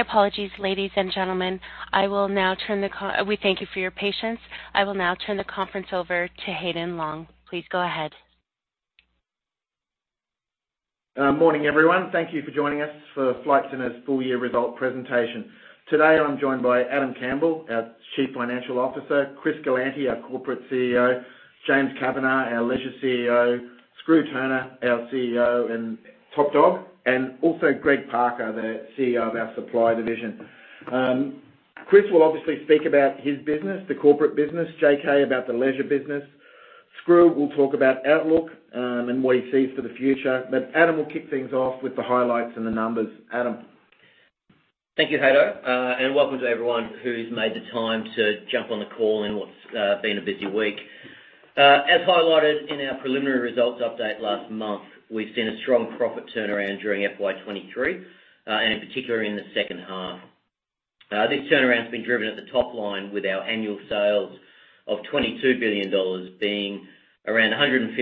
My apologies, ladies and gentlemen. We thank you for your patience. I will now turn the conference over to Haydn Long. Please go ahead. Morning, everyone. Thank you for joining us for Flight Centre's full year result presentation. Today, I'm joined by Adam Campbell, our Chief Financial Officer, Chris Galanty, our Corporate CEO, James Kavanagh, our Leisure CEO, Skroo Turner, our CEO and Top Dog, and also Greg Parker, the CEO of our Supply Division. Chris will obviously speak about his business, the corporate business, JK about the leisure business. Skroo will talk about outlook, and what he sees for the future. But Adam will kick things off with the highlights and the numbers. Adam? Thank you, Haydo, and welcome to everyone who's made the time to jump on the call in what's been a busy week. As highlighted in our preliminary results update last month, we've seen a strong profit turnaround during FY 2023, and in particular in the second half. This turnaround has been driven at the top line with our annual sales of 22 billion dollars being around 115%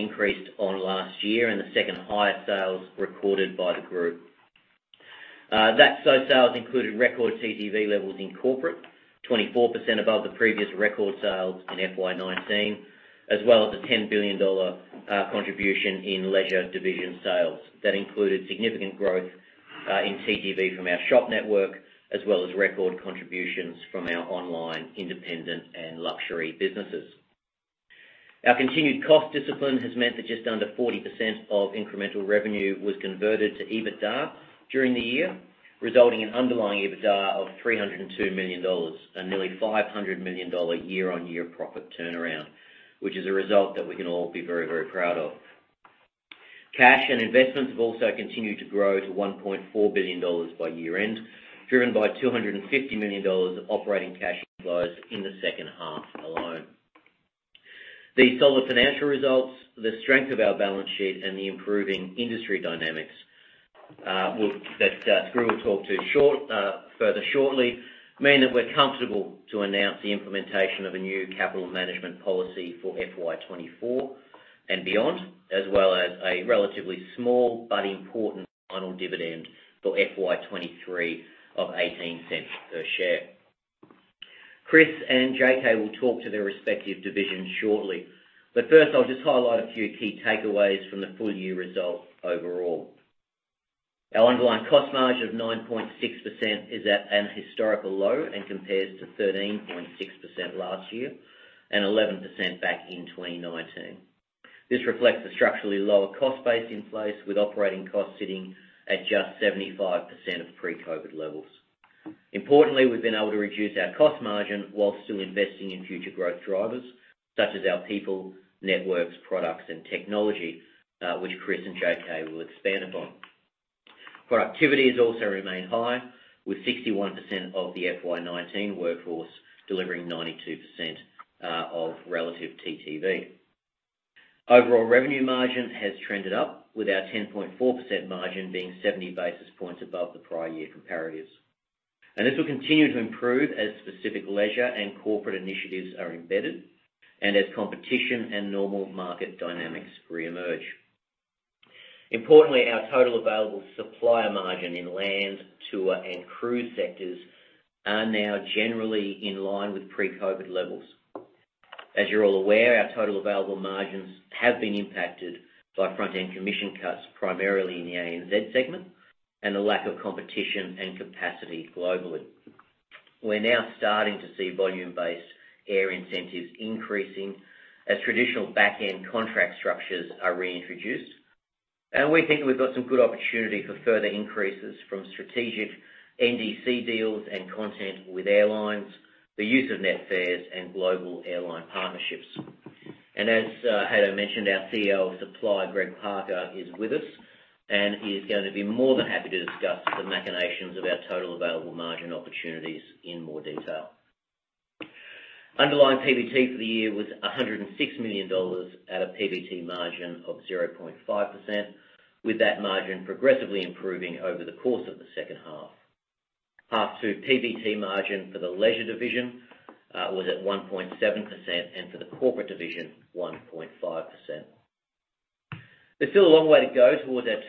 increased on last year and the second-highest sales recorded by the group. That sales included record TTV levels in corporate, 24% above the previous record sales in FY 2019, as well as a 10 billion dollar contribution in leisure division sales. That included significant growth in TTV from our shop network, as well as record contributions from our online, independent, and luxury businesses. Our continued cost discipline has meant that just under 40% of incremental revenue was converted to EBITDA during the year, resulting in underlying EBITDA of 302 million dollars, a nearly 500 million dollar year-on-year profit turnaround, which is a result that we can all be very, very proud of. Cash and investments have also continued to grow to 1.4 billion dollars by year-end, driven by 250 million dollars of operating cash flows in the second half alone. These solid financial results, the strength of our balance sheet, and the improving industry dynamics will, that Skroo will talk to it further shortly, mean that we're comfortable to announce the implementation of a new capital management policy for FY 2024 and beyond, as well as a relatively small but important final dividend for FY 2023 of 0.18 per share. Chris and JK will talk to their respective divisions shortly, but first, I'll just highlight a few key takeaways from the full year results overall. Our underlying cost margin of 9.6% is at an historical low and compares to 13.6% last year, and 11% back in 2019. This reflects a structurally lower cost base in place, with operating costs sitting at just 75% of pre-COVID levels. Importantly, we've been able to reduce our cost margin while still investing in future growth drivers, such as our people, networks, products, and technology, which Chris and JK will expand upon. Productivity has also remained high, with 61% of the FY 2019 workforce delivering 92% of relative TTV. Overall revenue margin has trended up, with our 10.4% margin being 70 basis points above the prior year comparatives. This will continue to improve as specific leisure and corporate initiatives are embedded and as competition and normal market dynamics reemerge. Importantly, our total available supplier margin in land, tour, and cruise sectors are now generally in line with pre-COVID levels. As you're all aware, our total available margins have been impacted by front-end commission cuts, primarily in the ANZ segment, and a lack of competition and capacity globally. We're now starting to see volume-based air incentives increasing as traditional back-end contract structures are reintroduced. And we think we've got some good opportunity for further increases from strategic NDC deals and content with airlines, the use of net fares, and global airline partnerships. And as, Haydo mentioned, our CEO of Supply, Greg Parker, is with us and is going to be more than happy to discuss the machinations of our total available margin opportunities in more detail. Underlying PBT for the year was 106 million dollars at a PBT margin of 0.5%, with that margin progressively improving over the course of the second half. Half two PBT margin for the leisure division, was at 1.7%, and for the corporate division, 1.5%. There's still a long way to go towards our 2%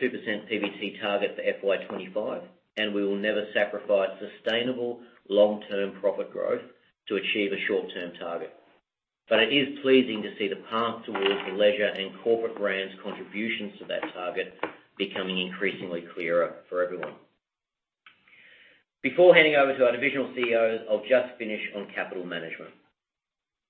PBT target for FY 2025, and we will never sacrifice sustainable long-term profit growth to achieve a short-term target. But it is pleasing to see the path towards the leisure and corporate brands' contributions to that target becoming increasingly clearer for everyone. Before handing over to our divisional CEOs, I'll just finish on capital management.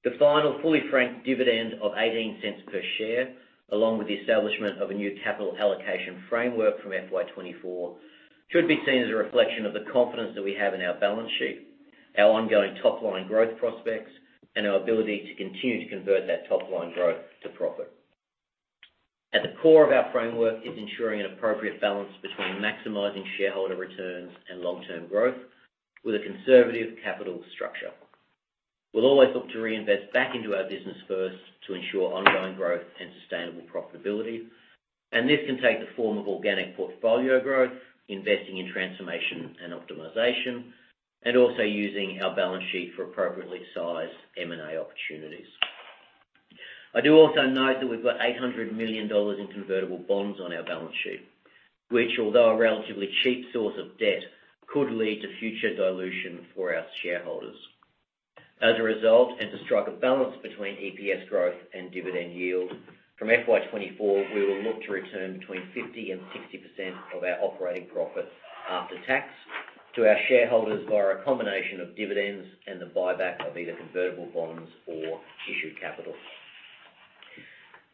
The final fully franked dividend of 0.18 per share, along with the establishment of a new capital allocation framework from FY 2024, should be seen as a reflection of the confidence that we have in our balance sheet, our ongoing top-line growth prospects, and our ability to continue to convert that top-line growth to profit. At the core of our framework is ensuring an appropriate balance between maximizing shareholder returns and long-term growth with a conservative capital structure. We'll always look to reinvest back into our business first to ensure ongoing growth and sustainable profitability. And this can take the form of organic portfolio growth, investing in transformation and optimization, and also using our balance sheet for appropriately sized M&A opportunities. I do also note that we've got 800 million dollars in convertible bonds on our balance sheet, which although a relatively cheap source of debt, could lead to future dilution for our shareholders. As a result, and to strike a balance between EPS growth and dividend yield, from FY 2024, we will look to return between 50% and 60% of our operating profit after tax to our shareholders via a combination of dividends and the buyback of either convertible bonds or issued capital.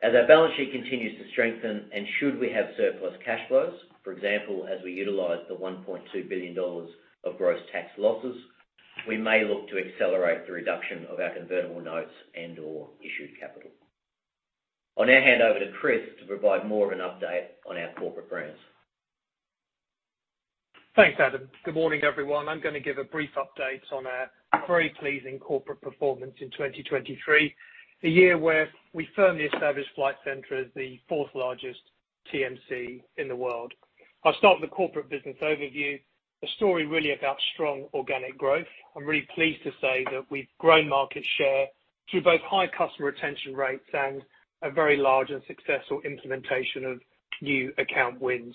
As our balance sheet continues to strengthen and should we have surplus cash flows, for example, as we utilize the 1.2 billion dollars of gross tax losses, we may look to accelerate the reduction of our convertible notes and/or issued capital. I'll now hand over to Chris to provide more of an update on our corporate brands. Thanks, Adam. Good morning, everyone. I'm going to give a brief update on our very pleasing corporate performance in 2023, a year where we firmly established Flight Centre as the fourth largest TMC in the world. I'll start with the corporate business overview, a story really about strong organic growth. I'm really pleased to say that we've grown market share through both high customer retention rates and a very large and successful implementation of new account wins.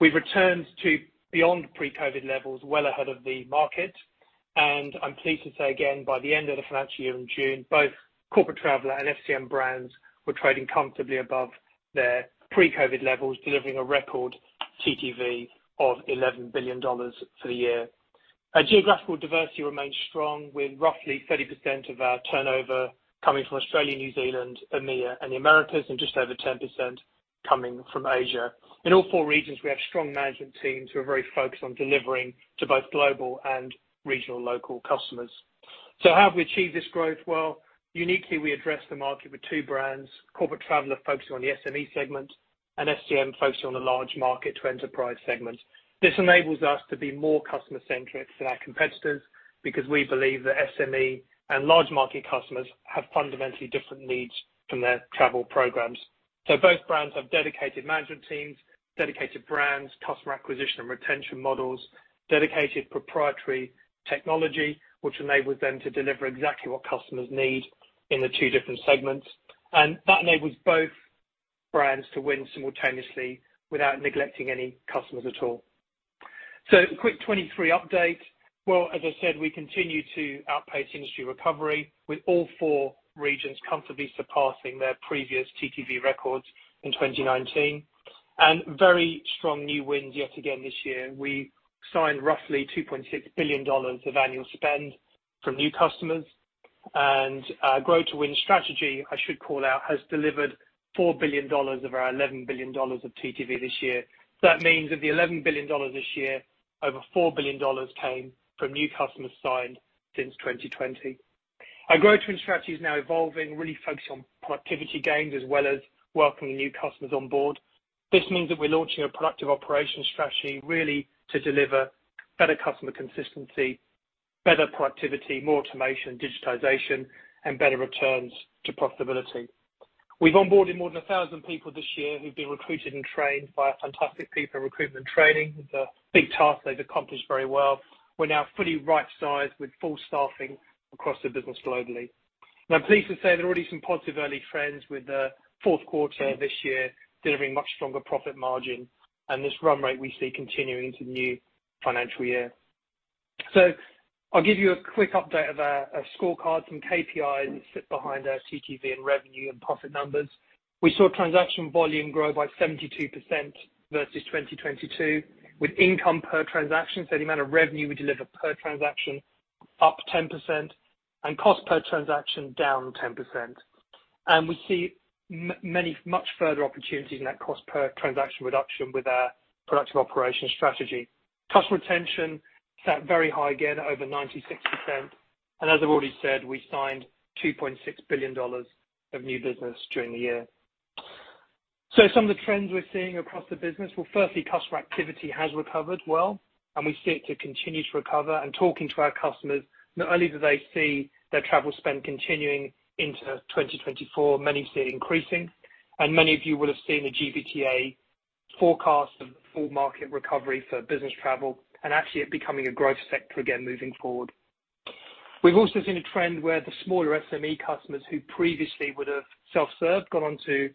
We've returned to beyond pre-COVID levels, well ahead of the market, and I'm pleased to say again, by the end of the financial year in June, both Corporate Traveller and FCM brands were trading comfortably above their pre-COVID levels, delivering a record TTV of 11 billion dollars for the year. Our geographical diversity remains strong, with roughly 30% of our turnover coming from Australia, New Zealand, EMEA, and the Americas, and just over 10% coming from Asia. In all four regions, we have strong management teams who are very focused on delivering to both global and regional local customers. So how have we achieved this growth? Well, uniquely, we address the market with two brands, Corporate Traveller, focusing on the SME segment, and FCM, focusing on the large market to enterprise segment. This enables us to be more customer-centric than our competitors because we believe that SME and large market customers have fundamentally different needs from their travel programs. So both brands have dedicated management teams, dedicated brands, customer acquisition and retention models, dedicated proprietary technology, which enables them to deliver exactly what customers need in the two different segments. And that enables both brands to win simultaneously without neglecting any customers at all. A quick 2023 update. Well, as I said, we continue to outpace industry recovery, with all four regions comfortably surpassing their previous TTV records in 2019, and very strong new wins yet again this year. We signed roughly 2.6 billion dollars of annual spend from new customers, and our Grow to Win strategy, I should call out, has delivered 4 billion dollars of our 11 billion dollars of TTV this year. That means of the 11 billion dollars this year, over 4 billion dollars came from new customers signed since 2020. Our Grow to Win strategy is now evolving, really focusing on productivity gains as well as welcoming new customers on board. This means that we're launching a Productive Operations strategy, really to deliver better customer consistency, better productivity, more automation, digitization, and better returns to profitability. We've onboarded more than 1,000 people this year who've been recruited and trained by our fantastic people recruitment training. It's a big task they've accomplished very well. We're now fully right-sized, with full staffing across the business globally. And I'm pleased to say there are already some positive early trends, with the fourth quarter this year delivering much stronger profit margin, and this run rate we see continuing into the new financial year. So I'll give you a quick update of our scorecard, some KPIs that sit behind our TTV and revenue and profit numbers. We saw transaction volume grow by 72% versus 2022, with income per transaction, so the amount of revenue we deliver per transaction, up 10% and cost per transaction down 10%. And we see many, much further opportunities in that cost per transaction reduction with our Productive Operations strategy. Customer retention sat very high, again, at over 96%, and as I've already said, we signed 2.6 billion dollars of new business during the year. So some of the trends we're seeing across the business. Well, firstly, customer activity has recovered well, and we see it to continue to recover. Talking to our customers, not only do they see their travel spend continuing into 2024, many see it increasing, and many of you will have seen the GBTA forecast of full market recovery for business travel and actually it becoming a growth sector again, moving forward. We've also seen a trend where the smaller SME customers who previously would have self-served, gone on to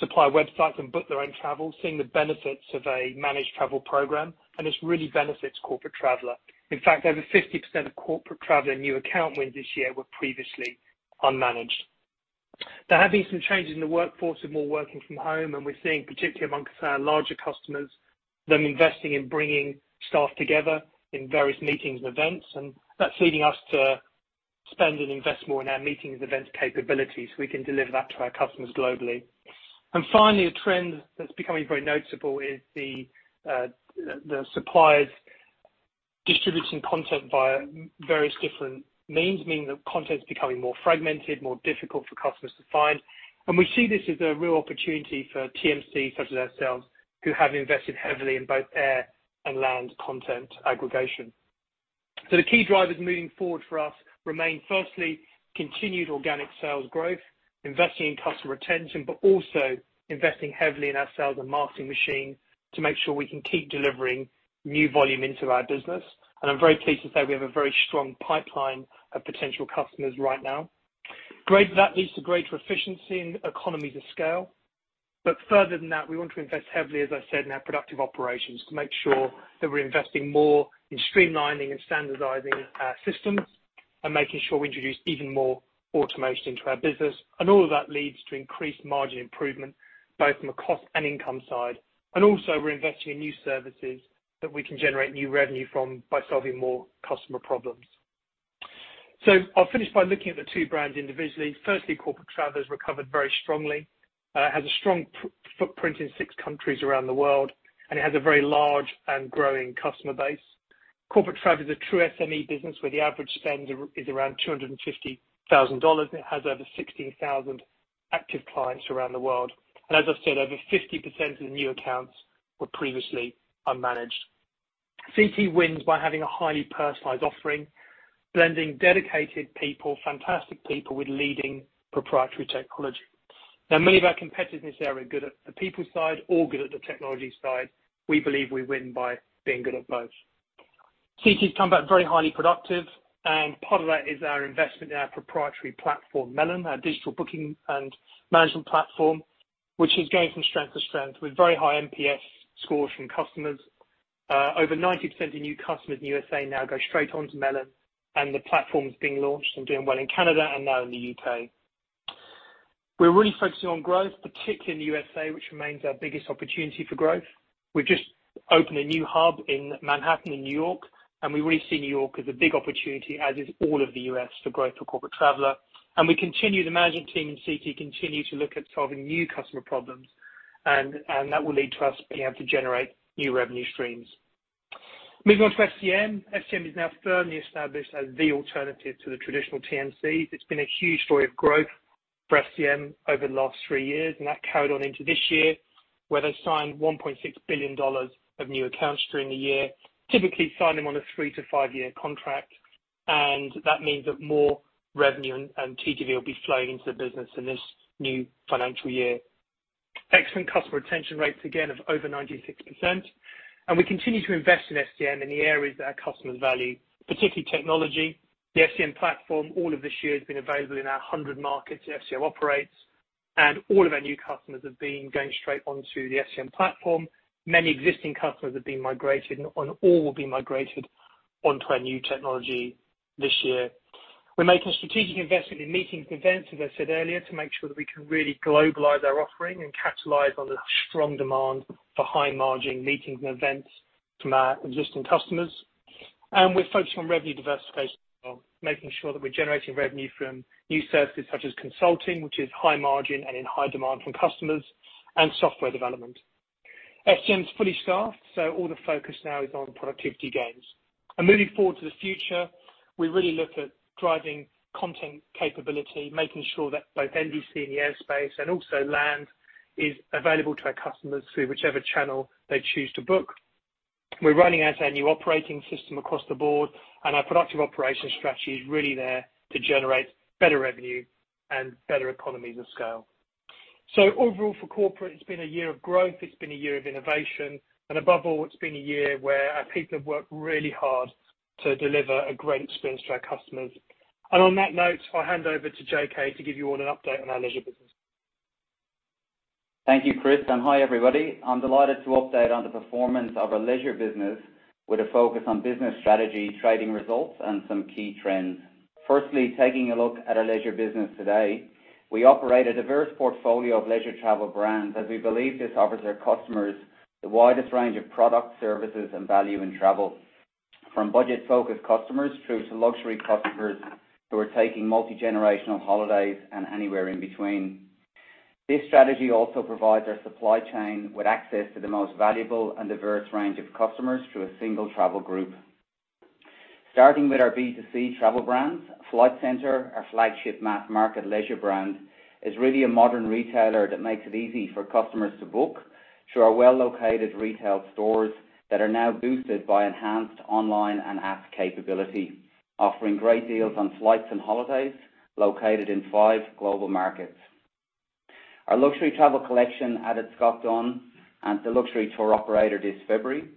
supply websites and book their own travel, seeing the benefits of a managed travel program, and this really benefits Corporate Traveller. In fact, over 50% of Corporate Traveller new account wins this year were previously unmanaged. There have been some changes in the workforce of more working from home, and we're seeing, particularly among our larger customers, them investing in bringing staff together in various meetings and events, and that's leading us to spend and invest more in our meetings and events capabilities, so we can deliver that to our customers globally. And finally, a trend that's becoming very noticeable is the suppliers distributing content via various different means, meaning that content is becoming more fragmented, more difficult for customers to find. And we see this as a real opportunity for TMC, such as ourselves, who have invested heavily in both air and land content aggregation. So the key drivers moving forward for us remain, firstly, continued organic sales growth, investing in customer retention, but also investing heavily in our sales and marketing machine to make sure we can keep delivering new volume into our business. And I'm very pleased to say we have a very strong pipeline of potential customers right now. Great, that leads to greater efficiency and economies of scale. But further than that, we want to invest heavily, as I said, in our productive operations, to make sure that we're investing more in streamlining and standardizing our systems and making sure we introduce even more automation into our business. And all of that leads to increased margin improvement, both from a cost and income side. And also, we're investing in new services that we can generate new revenue from by solving more customer problems. I'll finish by looking at the two brands individually. Firstly, Corporate Traveller has recovered very strongly. It has a strong footprint in six countries around the world, and it has a very large and growing customer base. Corporate Traveller is a true SME business, where the average spend is around 250,000 dollars. It has over 16,000 active clients around the world. And as I said, over 50% of the new accounts were previously unmanaged. CT wins by having a highly personalized offering, blending dedicated people, fantastic people, with leading proprietary technology. Now, many of our competitors in this area are good at the people side or good at the technology side. We believe we win by being good at both. CT's come back very highly productive, and part of that is our investment in our proprietary platform, Melon, our digital booking and management platform, which is going from strength to strength with very high NPS scores from customers. Over 90% of new customers in the USA now go straight onto Melon, and the platform is being launched and doing well in Canada and now in the UK. We're really focusing on growth, particularly in the USA, which remains our biggest opportunity for growth. We've just opened a new hub in Manhattan, in New York, and we really see New York as a big opportunity, as is all of the US, for growth for Corporate Traveller. And the management team in CT continue to look at solving new customer problems, and that will lead to us being able to generate new revenue streams. Moving on to FCM. FCM is now firmly established as the alternative to the traditional TMCs. It's been a huge story of growth for FCM over the last three years, and that carried on into this year, where they signed 1.6 billion dollars of new accounts during the year. Typically, sign them on a 3- to 5-year contract, and that means that more revenue and TTV will be flowing into the business in this new financial year. Excellent customer retention rates, again, of over 96%. And we continue to invest in FCM in the areas that our customers value, particularly technology. The FCM Platform, all of this year, has been available in our 100 markets FCM operates, and all of our new customers have been going straight onto the FCM Platform. Many existing customers have been migrated, and all will be migrated onto our new technology this year. We're making a strategic investment in meetings and events, as I said earlier, to make sure that we can really globalize our offering and capitalize on the strong demand for high-margin meetings and events from our existing customers. We're focused on revenue diversification, making sure that we're generating revenue from new services such as consulting, which is high margin and in high demand from customers, and software development. FCM is fully staffed, so all the focus now is on productivity gains. Moving forward to the future, we really look at driving content capability, making sure that both NDC and the airspace and also land is available to our customers through whichever channel they choose to book. We're rolling out our new operating system across the board, and our Productive Operations strategy is really there to generate better revenue and better economies of scale. So overall, for corporate, it's been a year of growth, it's been a year of innovation, and above all, it's been a year where our people have worked really hard to deliver a great experience to our customers. And on that note, I'll hand over to JK to give you all an update on our leisure business. Thank you, Chris, and hi, everybody. I'm delighted to update on the performance of our leisure business with a focus on business strategy, trading results, and some key trends. Firstly, taking a look at our leisure business today, we operate a diverse portfolio of leisure travel brands, as we believe this offers our customers the widest range of products, services, and value in travel. From budget-focused customers through to luxury customers who are taking multigenerational holidays and anywhere in between. This strategy also provides our supply chain with access to the most valuable and diverse range of customers through a single travel group. Starting with our B2C travel brands, Flight Centre, our flagship mass-market leisure brand, is really a modern retailer that makes it easy for customers to book through our well-located retail stores that are now boosted by enhanced online and app capability, offering great deals on flights and holidays located in 5 global markets. Our luxury travel collection added Scott Dunn, the luxury tour operator this February,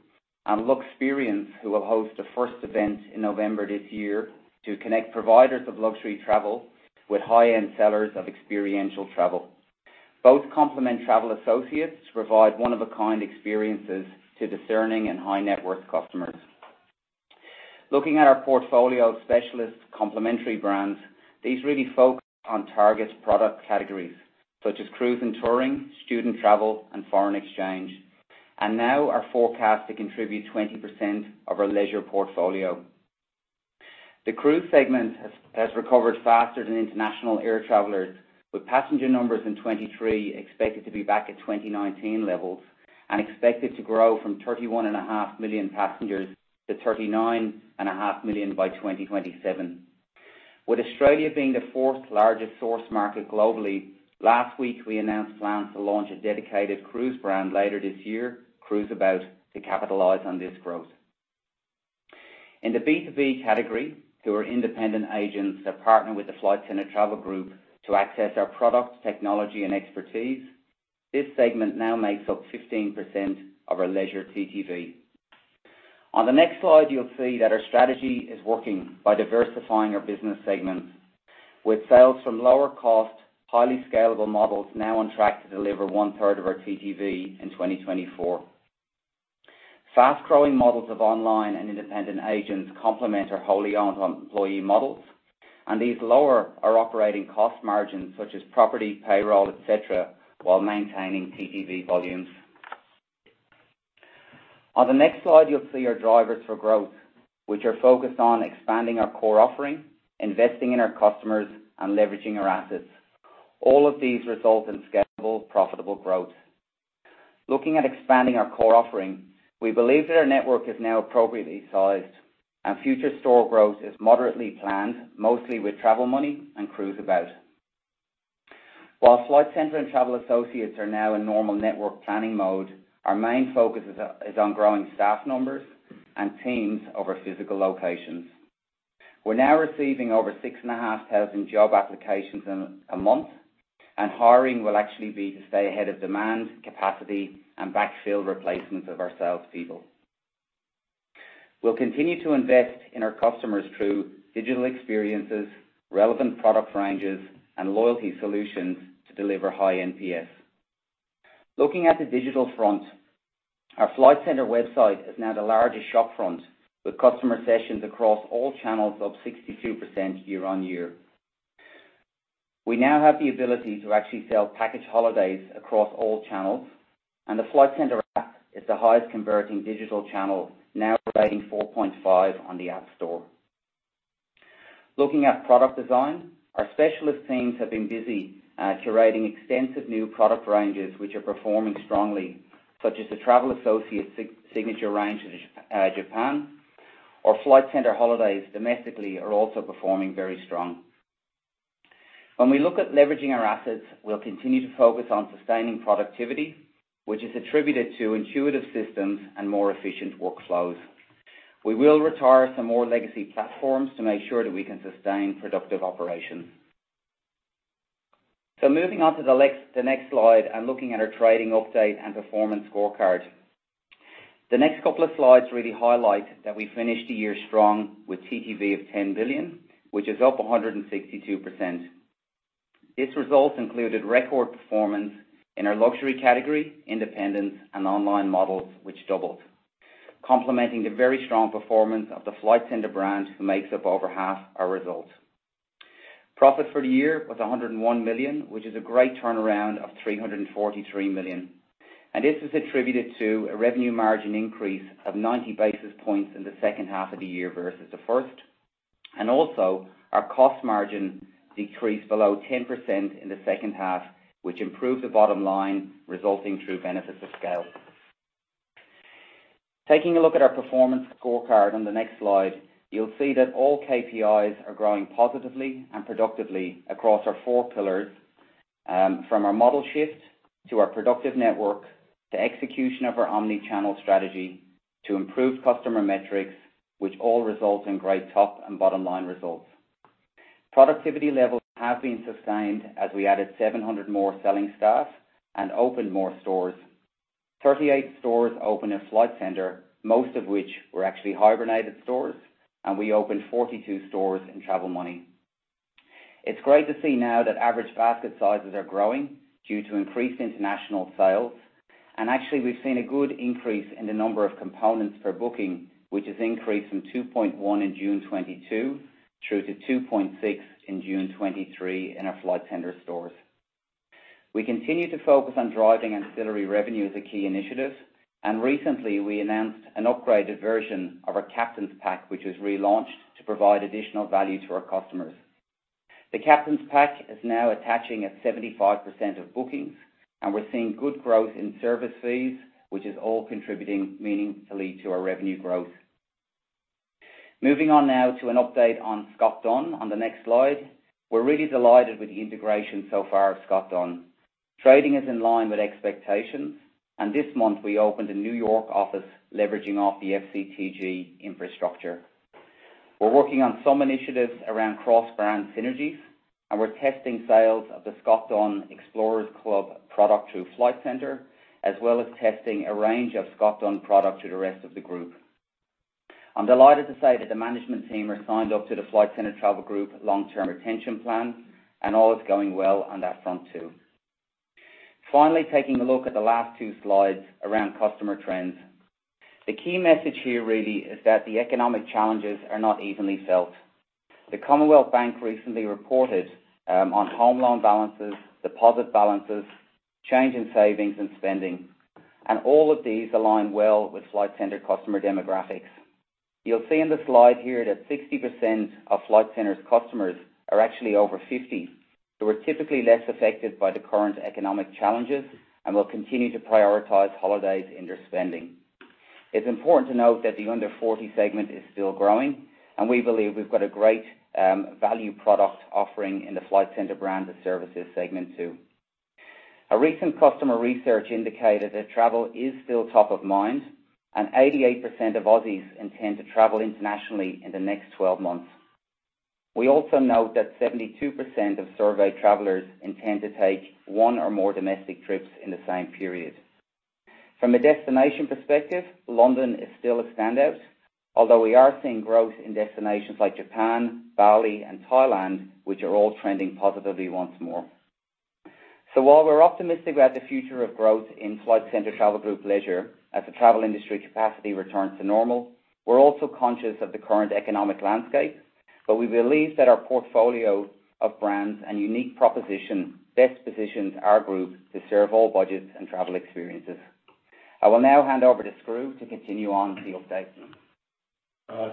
and Luxperience, who will host the first event in November this year to connect providers of luxury travel with high-end sellers of experiential travel. Both complement Travel Associates to provide one-of-a-kind experiences to discerning and high-net-worth customers. Looking at our portfolio of specialist complementary brands, these really focus on target product categories such as cruise and touring, student travel, and foreign exchange, and now are forecast to contribute 20% of our leisure portfolio. The cruise segment has recovered faster than international air travelers, with passenger numbers in 2023 expected to be back at 2019 levels and expected to grow from 31.5 million passengers to 39.5 million by 2027. With Australia being the fourth largest source market globally, last week, we announced plans to launch a dedicated cruise brand later this year, Cruiseabout, to capitalize on this growth. In the B2B category, who are independent agents that partner with the Flight Centre Travel Group to access our products, technology, and expertise, this segment now makes up 15% of our leisure TTV. On the next slide, you'll see that our strategy is working by diversifying our business segments, with sales from lower cost, highly scalable models now on track to deliver one-third of our TTV in 2024. Fast-growing models of online and independent agents complement our wholly-owned employee models, and these lower our operating cost margins, such as property, payroll, et cetera, while maintaining TTV volumes. On the next slide, you'll see our drivers for growth, which are focused on expanding our core offering, investing in our customers, and leveraging our assets. All of these result in scalable, profitable growth. Looking at expanding our core offering, we believe that our network is now appropriately sized, and future store growth is moderately planned, mostly with Travel Money and Cruiseabout. While Flight Centre and Travel Associates are now in normal network planning mode, our main focus is on growing staff numbers and teams over physical locations. We're now receiving over 6,500 job applications in a month, and hiring will actually be to stay ahead of demand, capacity, and backfill replacements of our sales people. We'll continue to invest in our customers through digital experiences, relevant product ranges, and loyalty solutions to deliver high NPS. Looking at the digital front, our Flight Centre website is now the largest shop front, with customer sessions across all channels up 62% year-on-year. We now have the ability to actually sell package holidays across all channels, and the Flight Centre app is the highest-converting digital channel, now rating 4.5 on the App Store. Looking at product design, our specialist teams have been busy curating extensive new product ranges, which are performing strongly, such as the Travel Associates Signature range in Japan, or Flight Centre Holidays domestically are also performing very strong. When we look at leveraging our assets, we'll continue to focus on sustaining productivity, which is attributed to intuitive systems and more efficient workflows. We will retire some more legacy platforms to make sure that we can sustain productive operations. So moving on to the next slide, and looking at our trading update and performance scorecard. The next couple of slides really highlight that we finished the year strong with TTV of 10 billion, which is up 162%. This result included record performance in our luxury category, independent, and online models, which doubled, complementing the very strong performance of the Flight Centre brand, who makes up over half our results. Profit for the year was 101 million, which is a great turnaround of 343 million, and this is attributed to a revenue margin increase of 90 basis points in the second half of the year versus the first. Also, our cost margin decreased below 10% in the second half, which improved the bottom line, resulting through benefits of scale. Taking a look at our performance scorecard on the next slide, you'll see that all KPIs are growing positively and productively across our four pillars, from our model shift to our productive network, to execution of our omni-channel strategy, to improved customer metrics, which all result in great top and bottom-line results. Productivity levels have been sustained as we added 700 more selling staff and opened more stores. 38 stores opened in Flight Centre, most of which were actually hibernated stores, and we opened 42 stores in Travel Money. It's great to see now that average basket sizes are growing due to increased international sales, and actually, we've seen a good increase in the number of components per booking, which has increased from 2.1 in June 2022 through to 2.6 in June 2023 in our Flight Centre stores. We continue to focus on driving ancillary revenue as a key initiative, and recently, we announced an upgraded version of our Captain's Pack, which was relaunched to provide additional value to our customers. The Captain's Pack is now attaching at 75% of bookings, and we're seeing good growth in service fees, which is all contributing meaningfully to our revenue growth. Moving on now to an update on Scott Dunn on the next slide. We're really delighted with the integration so far of Scott Dunn. Trading is in line with expectations, and this month, we opened a New York office leveraging off the FCTG infrastructure. We're working on some initiatives around cross-brand synergies, and we're testing sales of the Scott Dunn Explorers Club product through Flight Centre, as well as testing a range of Scott Dunn products through the rest of the group. I'm delighted to say that the management team are signed up to the Flight Centre Travel Group long-term retention plan, and all is going well on that front, too. Finally, taking a look at the last two slides around customer trends. The key message here really is that the economic challenges are not evenly felt. The Commonwealth Bank recently reported on home loan balances, deposit balances, change in savings and spending, and all of these align well with Flight Centre customer demographics. You'll see in the slide here that 60% of Flight Centre's customers are actually over 50, who are typically less affected by the current economic challenges and will continue to prioritize holidays in their spending. It's important to note that the under-40 segment is still growing, and we believe we've got a great value product offering in the Flight Centre brand and services segment, too. A recent customer research indicated that travel is still top of mind, and 88% of Aussies intend to travel internationally in the next 12 months. We also note that 72% of surveyed travelers intend to take one or more domestic trips in the same period. From a destination perspective, London is still a standout, although we are seeing growth in destinations like Japan, Bali, and Thailand, which are all trending positively once more. While we're optimistic about the future of growth in Flight Centre Travel Group Leisure, as the travel industry capacity returns to normal, we're also conscious of the current economic landscape. We believe that our portfolio of brands and unique proposition best positions our group to serve all budgets and travel experiences. I will now hand over to Skroo to continue on the update.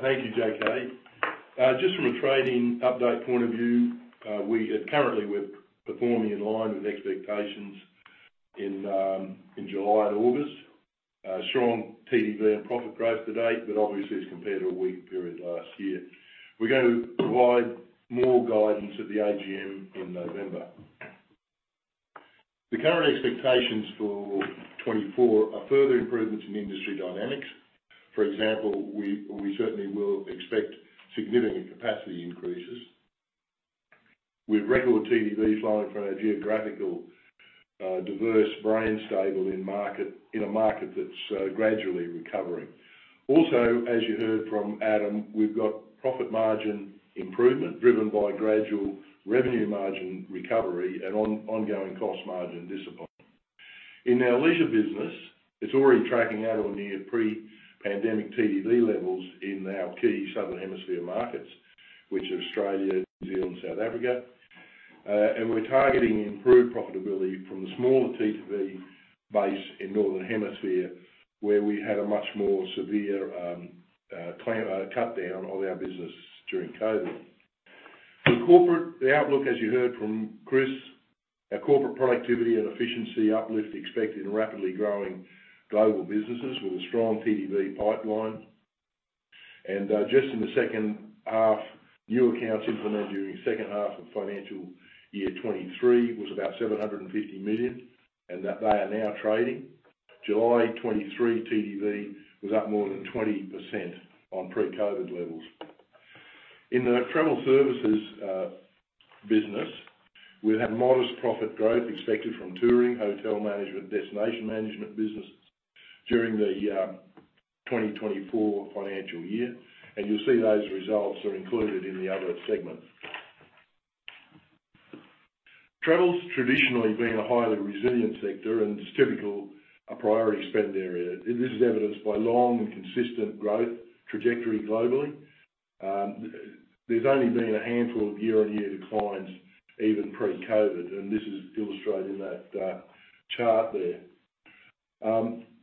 Thank you, JK. Just from a trading update point of view, we are currently performing in line with expectations in July and August. Strong TTV and profit growth to date, but obviously, it's compared to a weak period last year. We're going to provide more guidance at the AGM in November. The current expectations for 2024 are further improvements in industry dynamics. For example, we certainly will expect significant capacity increases. With regular TTV flowing from our geographically diverse brand stable in a market that's gradually recovering. Also, as you heard from Adam, we've got profit margin improvement, driven by gradual revenue margin recovery and ongoing cost margin discipline. In our leisure business, it's already tracking at or near pre-pandemic TTV levels in our key Southern Hemisphere markets, which are Australia, New Zealand, South Africa. and we're targeting improved profitability from the smaller TTV base in Northern Hemisphere, where we had a much more severe clampdown on our business during COVID. In corporate, the outlook, as you heard from Chris, our corporate productivity and efficiency uplift expected in rapidly growing global businesses with a strong TTV pipeline. And, just in the second half, new accounts implemented during the second half of financial year 2023 was about 750 million, and that they are now trading. July 2023 TTV was up more than 20% on pre-COVID levels. In the travel services business, we've had modest profit growth expected from touring, hotel management, destination management businesses during the 2024 financial year, and you'll see those results are included in the other segment. Travel's traditionally been a highly resilient sector and is typically a priority spend area. This is evidenced by long and consistent growth trajectory globally. There's only been a handful of year-on-year declines, even pre-COVID, and this is illustrated in that chart there.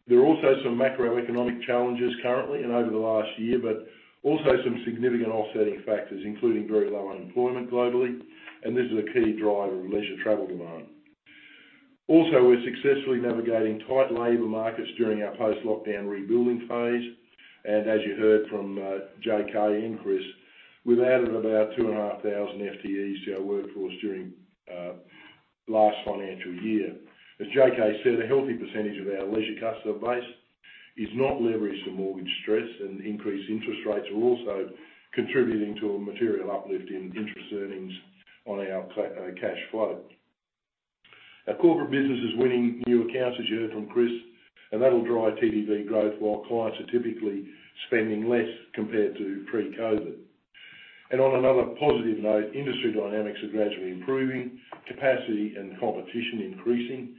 There are also some macroeconomic challenges currently and over the last year, but also some significant offsetting factors, including very low unemployment globally, and this is a key driver of leisure travel demand. Also, we're successfully navigating tight labor markets during our post-lockdown rebuilding phase. As you heard from JK and Chris, we've added about 2,500 FTEs to our workforce during last financial year. As JK said, a healthy percentage of our leisure customer base is not leveraged to mortgage stress, and increased interest rates are also contributing to a material uplift in interest earnings on our cash flow. Our corporate business is winning new accounts, as you heard from Chris, and that'll drive TTV growth, while clients are typically spending less compared to pre-COVID. On another positive note, industry dynamics are gradually improving, capacity and competition increasing,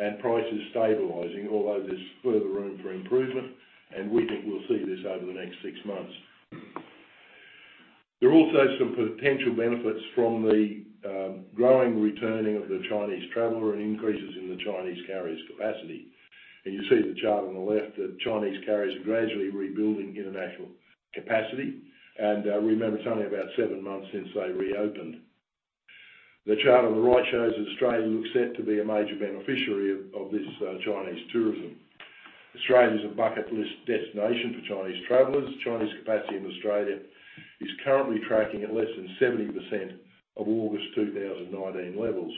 and prices stabilizing, although there's further room for improvement, and we think we'll see this over the next six months. There are also some potential benefits from the growing returning of the Chinese traveler and increases in the Chinese carriers' capacity. You see the chart on the left, that Chinese carriers are gradually rebuilding international capacity, and remember, it's only about seven months since they reopened. The chart on the right shows that Australia looks set to be a major beneficiary of this Chinese tourism. Australia is a bucket list destination for Chinese travelers. Chinese capacity in Australia is currently tracking at less than 70% of August 2019 levels.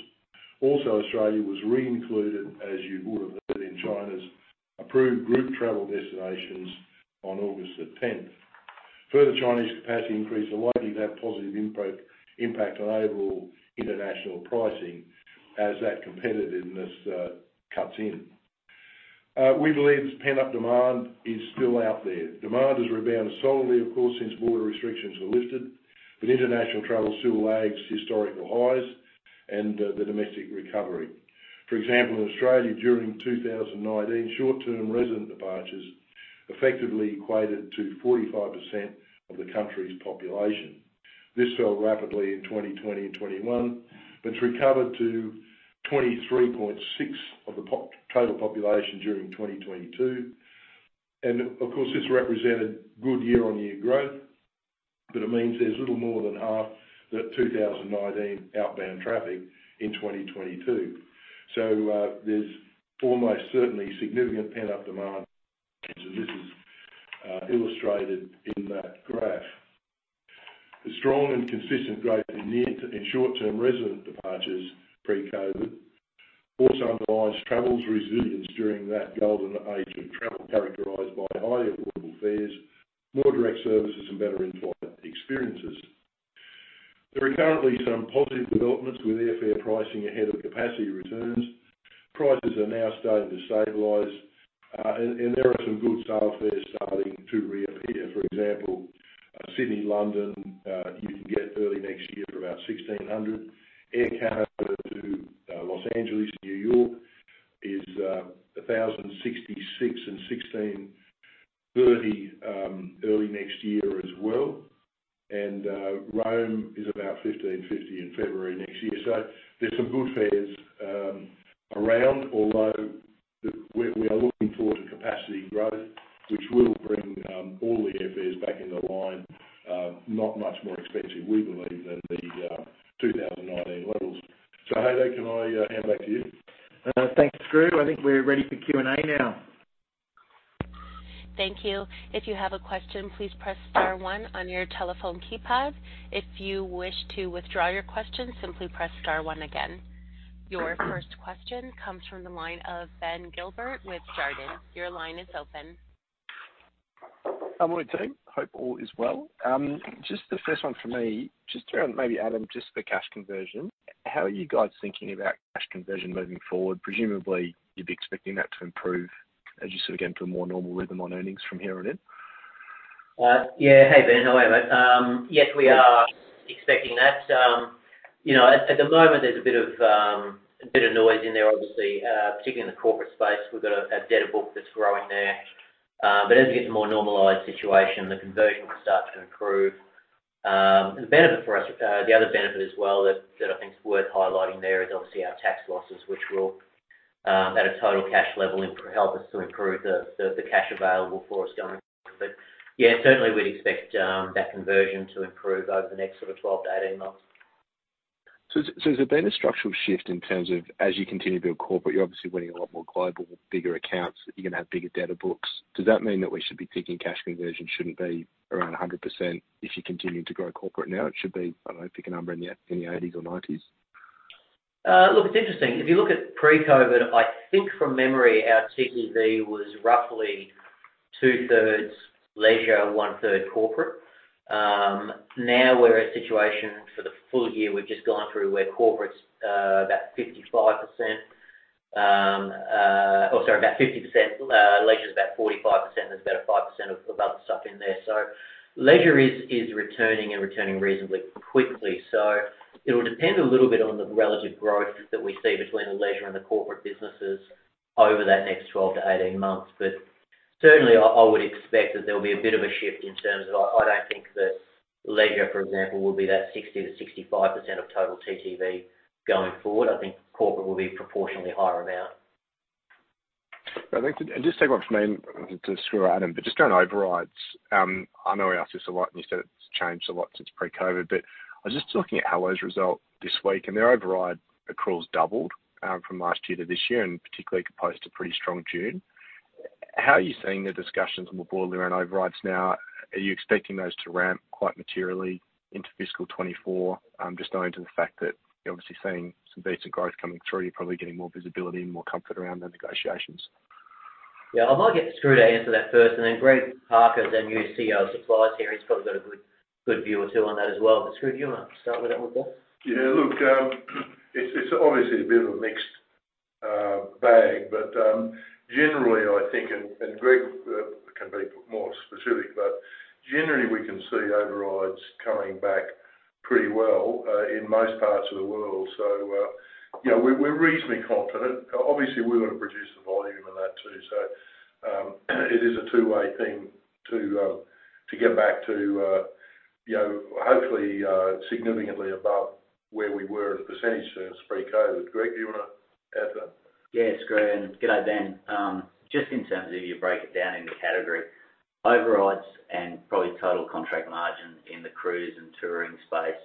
Also, Australia was reincluded, as you would have heard, in China's approved group travel destinations on August 10. Further Chinese capacity increases are likely to have a positive impact on overall international pricing as that competitiveness cuts in. We believe this pent-up demand is still out there. Demand has rebounded solidly, of course, since border restrictions were lifted, but international travel still lags historical highs and the domestic recovery. For example, in Australia, during 2019, short-term resident departures effectively equated to 45% of the country's population. This fell rapidly in 2020 and 2021, but recovered to 23.6% of the total population during 2022. Of course, this represented good year-on-year growth, but it means there's little more than half the 2019 outbound traffic in 2022. So, there's almost certainly significant pent-up demand, and this is illustrated in that graph. The strong and consistent growth in near and short-term resident departures pre-COVID also underlies travel's resilience during that golden age of travel, characterized by high affordable fares, more direct services, and better in-flight experiences. There are currently some positive developments with airfare pricing ahead of capacity returns. Prices are now starting to stabilize, and there are some good sale fares starting to reappear. For example, Sydney, London, you can get early next year for about 1,600. Air Canada to Los Angeles, New York is $1,066 and $1,630 early next year as well. Rome is about $1,550 in February next year. So there's some good fares around, although we are looking forward to capacity growth, which will bring all the airfares back into line, not much more expensive, we believe, than the 2019 levels. So Haydn, can I hand back to you? Thanks, Skroo. I think we're ready for Q&A now. Thank you. If you have a question, please press star one on your telephone keypad. If you wish to withdraw your question, simply press star one again. Your first question comes from the line of Ben Gilbert with Jarden. Your line is open. Good morning, team. Hope all is well. Just the first one for me, just around maybe, Adam, just the cash conversion. How are you guys thinking about cash conversion moving forward? Presumably, you'd be expecting that to improve, as you said, again, for a more normal rhythm on earnings from here on in. Yeah. Hey, Ben, how are you, mate? Yes, we are expecting that. You know, at the moment, there's a bit of noise in there, obviously, particularly in the corporate space. We've got a debtor book that's growing there. But as it gets a more normalized situation, the conversion will start to improve. And the benefit for us, the other benefit as well, that I think is worth highlighting there is obviously our tax losses, which will, at a total cash level, help us to improve the cash available for us going forward. But yeah, certainly, we'd expect that conversion to improve over the next sort of 12-18 months. So, has there been a structural shift in terms of as you continue to build corporate, you're obviously winning a lot more global, bigger accounts, you're gonna have bigger debtor books? Does that mean that we should be thinking cash conversion shouldn't be around 100% if you continue to grow corporate now? It should be, I don't know, pick a number in the 80s or 90s. Look, it's interesting. If you look at pre-COVID, I think from memory, our TTV was roughly 2/3 leisure, 1/3 corporate. Now we're in a situation for the full year, we've just gone through where corporate's about 55%. Or sorry, about 50%, leisure is about 45%, there's about a 5% of other stuff in there. So leisure is returning and returning reasonably quickly. So it will depend a little bit on the relative growth that we see between the leisure and the corporate businesses over that next 12-18 months. But certainly I would expect that there will be a bit of a shift in terms of—I don't think that leisure, for example, will be that 60%-65% of total TTV going forward. I think corporate will be a proportionally higher amount. I think, and just take one from me to Skroo or Adam, but just around overrides. I know we asked this a lot, and you said it's changed a lot since pre-COVID, but I was just looking at Helloworld's result this week, and their override accruals doubled from last year to this year, and particularly composed a pretty strong June. How are you seeing the discussions more broadly around overrides now? Are you expecting those to ramp quite materially into fiscal 2024? Just owing to the fact that you're obviously seeing some decent growth coming through, you're probably getting more visibility and more comfort around the negotiations. Yeah, I might get Skroo to answer that first, and then Greg Parker, their new CEO of Supply here, he's probably got a good, good view or two on that as well. But Skroo, do you want to start with that one first? Yeah, look, it's obviously a bit of a mixed bag, but generally, I think, and Greg can be more specific, but generally, we can see overrides coming back pretty well in most parts of the world. So, you know, we're reasonably confident. Obviously, we've got to produce the volume in that, too. So, it is a two-way thing to get back to, you know, hopefully significantly above where we were as a percentage since pre-COVID. Greg, do you want to add to that? Yes, Greg, and good day, Ben. Just in terms of you break it down into category, overrides and probably total contract margin in the cruise and touring space,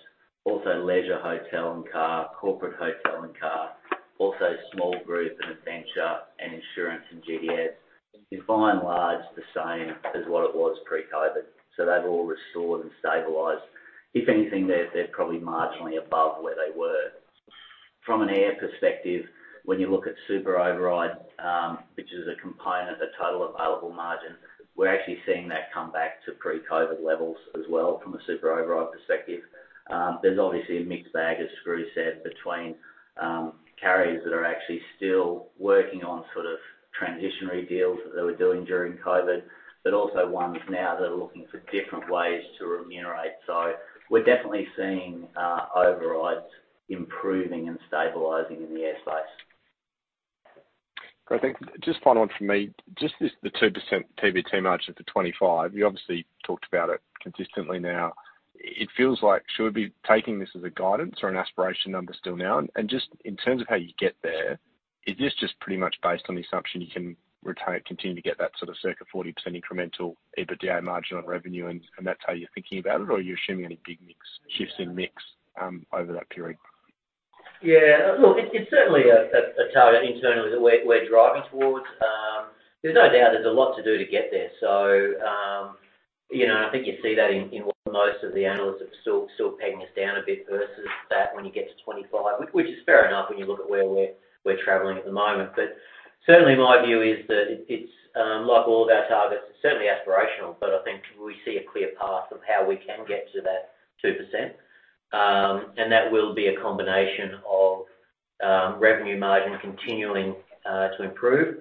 also leisure, hotel and car, corporate, hotel and car, also small group and adventure and insurance and GDS, is by and large the same as what it was pre-COVID. So they've all restored and stabilized. If anything, they're probably marginally above where they were. From an air perspective, when you look at super override, which is a component of total available margin, we're actually seeing that come back to pre-COVID levels as well from a super override perspective. There's obviously a mixed bag, as Skroo said, between carriers that are actually still working on sort of transitionary deals that they were doing during COVID, but also ones now that are looking for different ways to remunerate. So we're definitely seeing overrides improving and stabilizing in the air space. Great, thank you. Just final one from me, just this, the 2% PBT margin for 2025, you obviously talked about it consistently now. It feels like, should we be taking this as a guidance or an aspiration number still now? And just in terms of how you get there, is this just pretty much based on the assumption you can retain, continue to get that sort of circa 40% incremental EBITDA margin on revenue, and, and that's how you're thinking about it, or are you assuming any big mix, shifts in mix, over that period? Yeah, look, it's certainly a target internally that we're driving towards. There's no doubt there's a lot to do to get there. So, you know, and I think you see that in what most of the analysts are still pegging us down a bit versus that when you get to 25, which is fair enough when you look at where we're traveling at the moment. But certainly, my view is that it's like all of our targets, it's certainly aspirational, but I think we see a clear path of how we can get to that 2%. And that will be a combination of revenue margin continuing to improve,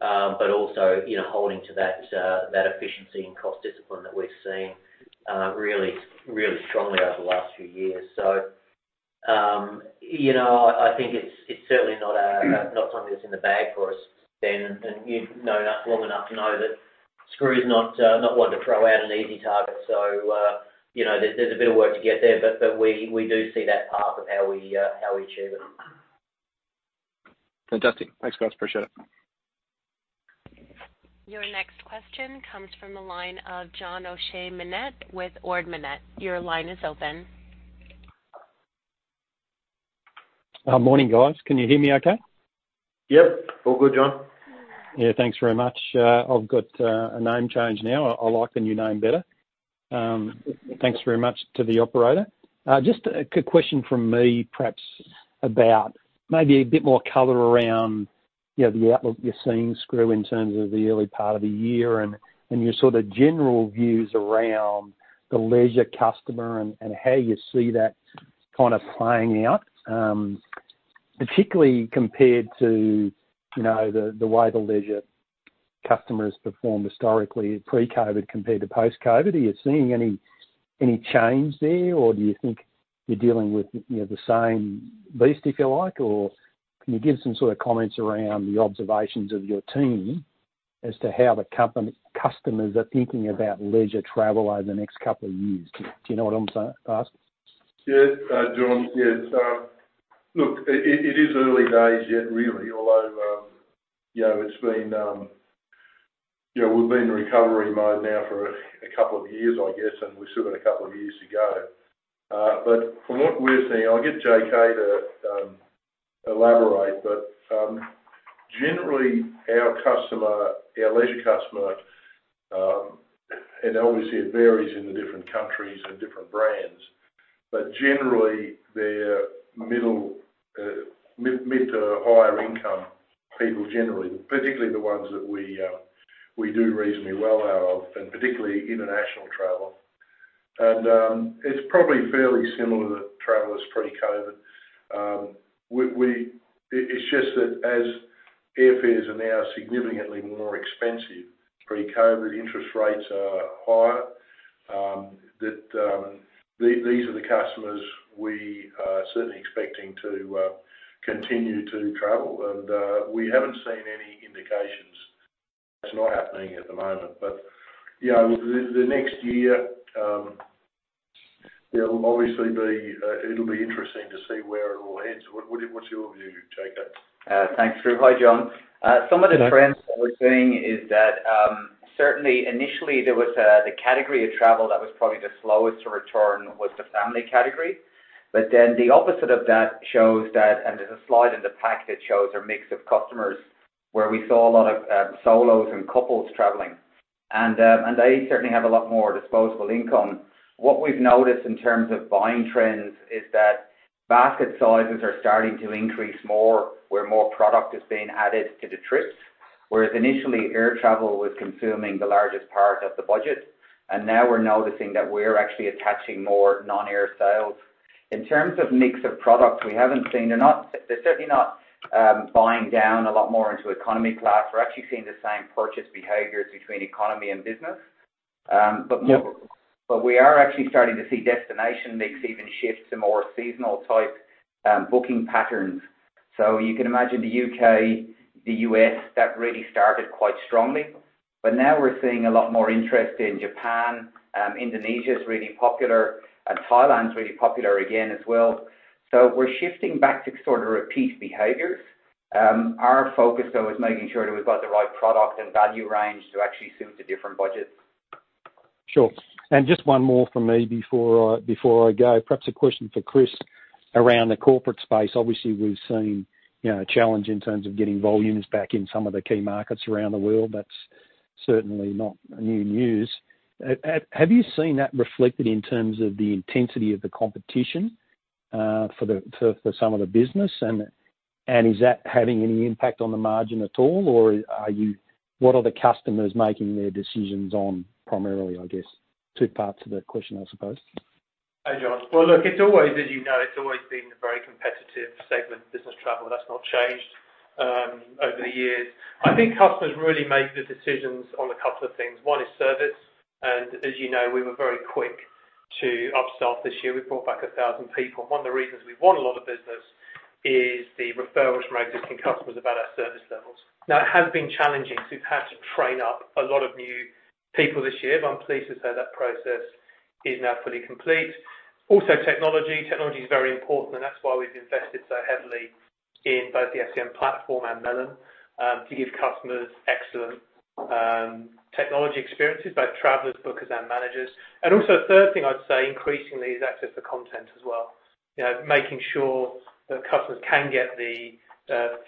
but also, you know, holding to that efficiency and cost discipline that we've seen really strongly over the last few years. So, you know, I think it's certainly not something that's in the bag for us, Ben, and you've known us long enough to know that Skroo is not one to throw out an easy target. So, you know, there's a bit of work to get there, but we do see that path of how we achieve it. Fantastic. Thanks, guys. Appreciate it. Your next question comes from the line of John O'Shea with Ord Minnett. Your line is open. Morning, guys. Can you hear me okay? Yep. All good, John. Yeah, thanks very much. I've got a name change now. I like the new name better. Thanks very much to the operator. Just a quick question from me, perhaps about maybe a bit more color around, you know, the outlook you're seeing, Skroo, in terms of the early part of the year, and your sort of general views around the leisure customer and how you see that kind of playing out. Particularly compared to, you know, the way the leisure customers performed historically pre-COVID compared to post-COVID. Are you seeing any change there, or do you think you're dealing with, you know, the same beast, if you like? Or can you give some sort of comments around the observations of your team as to how the customers are thinking about leisure travel over the next couple of years? Do you know what I'm asking? Yes, John. Yes. Look, it is early days yet, really, although, you know, it's been, you know, we've been in recovery mode now for a couple of years, I guess, and we've still got a couple of years to go. But from what we're seeing, I'll get JK to elaborate, but generally, our customer, our leisure customer, and obviously it varies in the different countries and different brands, but generally, they're middle, mid-mid to higher income people, generally, particularly the ones that we do reasonably well out of, and particularly international travel. And it's probably fairly similar to travelers pre-COVID. It's just that as airfares are now significantly more expensive pre-COVID, interest rates are higher, these are the customers we are certainly expecting to continue to travel, and we haven't seen any indications it's not happening at the moment. But, you know, the next year, there'll obviously be, it'll be interesting to see where it all heads. What is your view, JK? Thanks, Skroo. Hi, John. Hi. Some of the trends that we're seeing is that, certainly initially there was, the category of travel that was probably the slowest to return was the family category. But then the opposite of that shows that, and there's a slide in the pack that shows a mix of customers, where we saw a lot of, solos and couples traveling, and, and they certainly have a lot more disposable income. What we've noticed in terms of buying trends is that basket sizes are starting to increase more, where more product is being added to the trips. Whereas initially, air travel was consuming the largest part of the budget, and now we're noticing that we're actually attaching more non-air sales. In terms of mix of products, we haven't seen. They're not, they're certainly not, buying down a lot more into economy class. We're actually seeing the same purchase behaviors between economy and business. But- Yep. But we are actually starting to see destination mix even shift to more seasonal type, booking patterns. So you can imagine the U.K., the U.S., that really started quite strongly, but now we're seeing a lot more interest in Japan, Indonesia is really popular, and Thailand is really popular again as well. So we're shifting back to sort of repeat behaviors. Our focus, though, is making sure that we've got the right product and value range to actually suit the different budgets. Sure. And just one more from me before I go. Perhaps a question for Chris around the corporate space. Obviously, we've seen, you know, a challenge in terms of getting volumes back in some of the key markets around the world. That's certainly not a new news. Have you seen that reflected in terms of the intensity of the competition for some of the business? And is that having any impact on the margin at all, or are you, what are the customers making their decisions on primarily, I guess? Two parts to the question, I suppose. Hey, John. Well, look, it's always, as you know, it's always been a very competitive segment, business travel. That's not changed over the years. I think customers really make the decisions on a couple of things. One is service, and as you know, we were very quick to up-sell this year. We brought back 1,000 people. One of the reasons we won a lot of business is the referrals from our existing customers about our service levels. Now, it has been challenging to have to train up a lot of new people this year, but I'm pleased to say that process is now fully complete. Also, technology. Technology is very important, and that's why we've invested so heavily in both the FCM Platform and Melon to give customers excellent technology experiences, both travelers, bookers, and managers. Also, a third thing I'd say, increasingly, is access to content as well. you know, making sure that customers can get the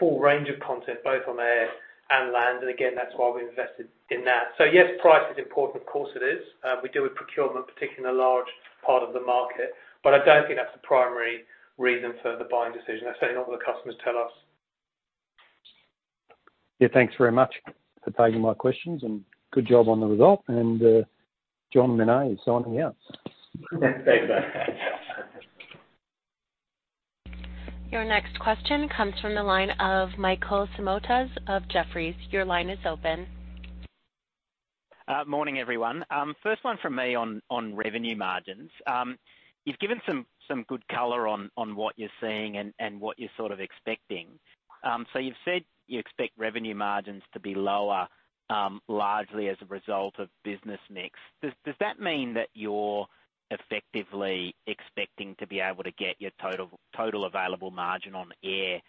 full range of content, both on air and land. And again, that's why we invested in that. So yes, price is important, of course it is. We do a procurement, particularly in a large part of the market, but I don't think that's the primary reason for the buying decision. I say not what the customers tell us. Yeah, thanks very much for taking my questions, and good job on the result. And, John Minnett is signing out. Thanks, bye. Your next question comes from the line of Michael Simotas of Jefferies. Your line is open. Morning, everyone. First one from me on revenue margins. You've given some good color on what you're seeing and what you're sort of expecting. So you've said you expect revenue margins to be lower, largely as a result of business mix. Does that mean that you're effectively expecting to be able to get your total available margin on air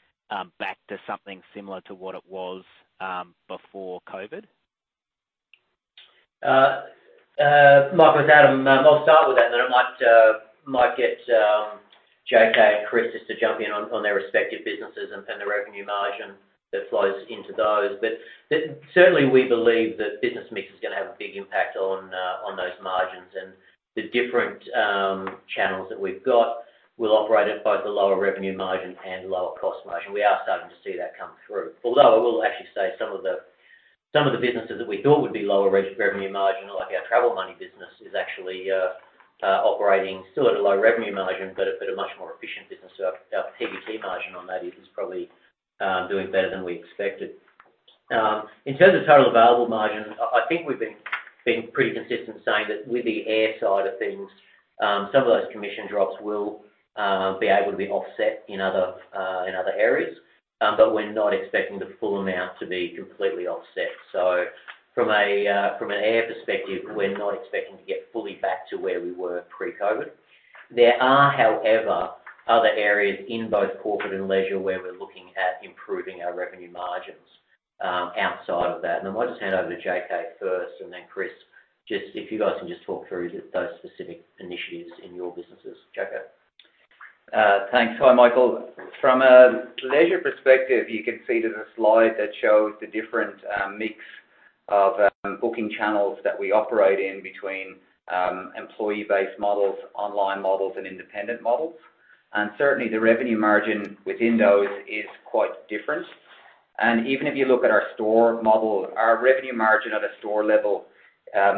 back to something similar to what it was before COVID? Michael, it's Adam. I'll start with that, then I might get JK and Chris just to jump in on their respective businesses and the revenue margin that flows into those. But certainly, we believe that business mix is gonna have a big impact on those margins, and the different channels that we've got will operate at both a lower revenue margin and lower cost margin. We are starting to see that come through. Although I will actually say some of the businesses that we thought would be lower revenue margin, like our Travel Money business, is actually operating still at a low revenue margin, but a much more efficient business. So our PBT margin on that is probably doing better than we expected. In terms of total available margin, I think we've been pretty consistent in saying that with the air side of things, some of those commission drops will be able to be offset in other areas. But we're not expecting the full amount to be completely offset. So from an air perspective, we're not expecting to get fully back to where we were pre-COVID. There are, however, other areas in both corporate and leisure where we're looking at improving our revenue margins outside of that. And I might just hand over to JK first and then Chris, just if you guys can just talk through those specific initiatives in your businesses. JK? Thanks. Hi, Michael. From a leisure perspective, you can see there's a slide that shows the different mix of booking channels that we operate in between employee-based models, online models, and independent models. And certainly, the revenue margin within those is quite different. And even if you look at our store model, our revenue margin at a store level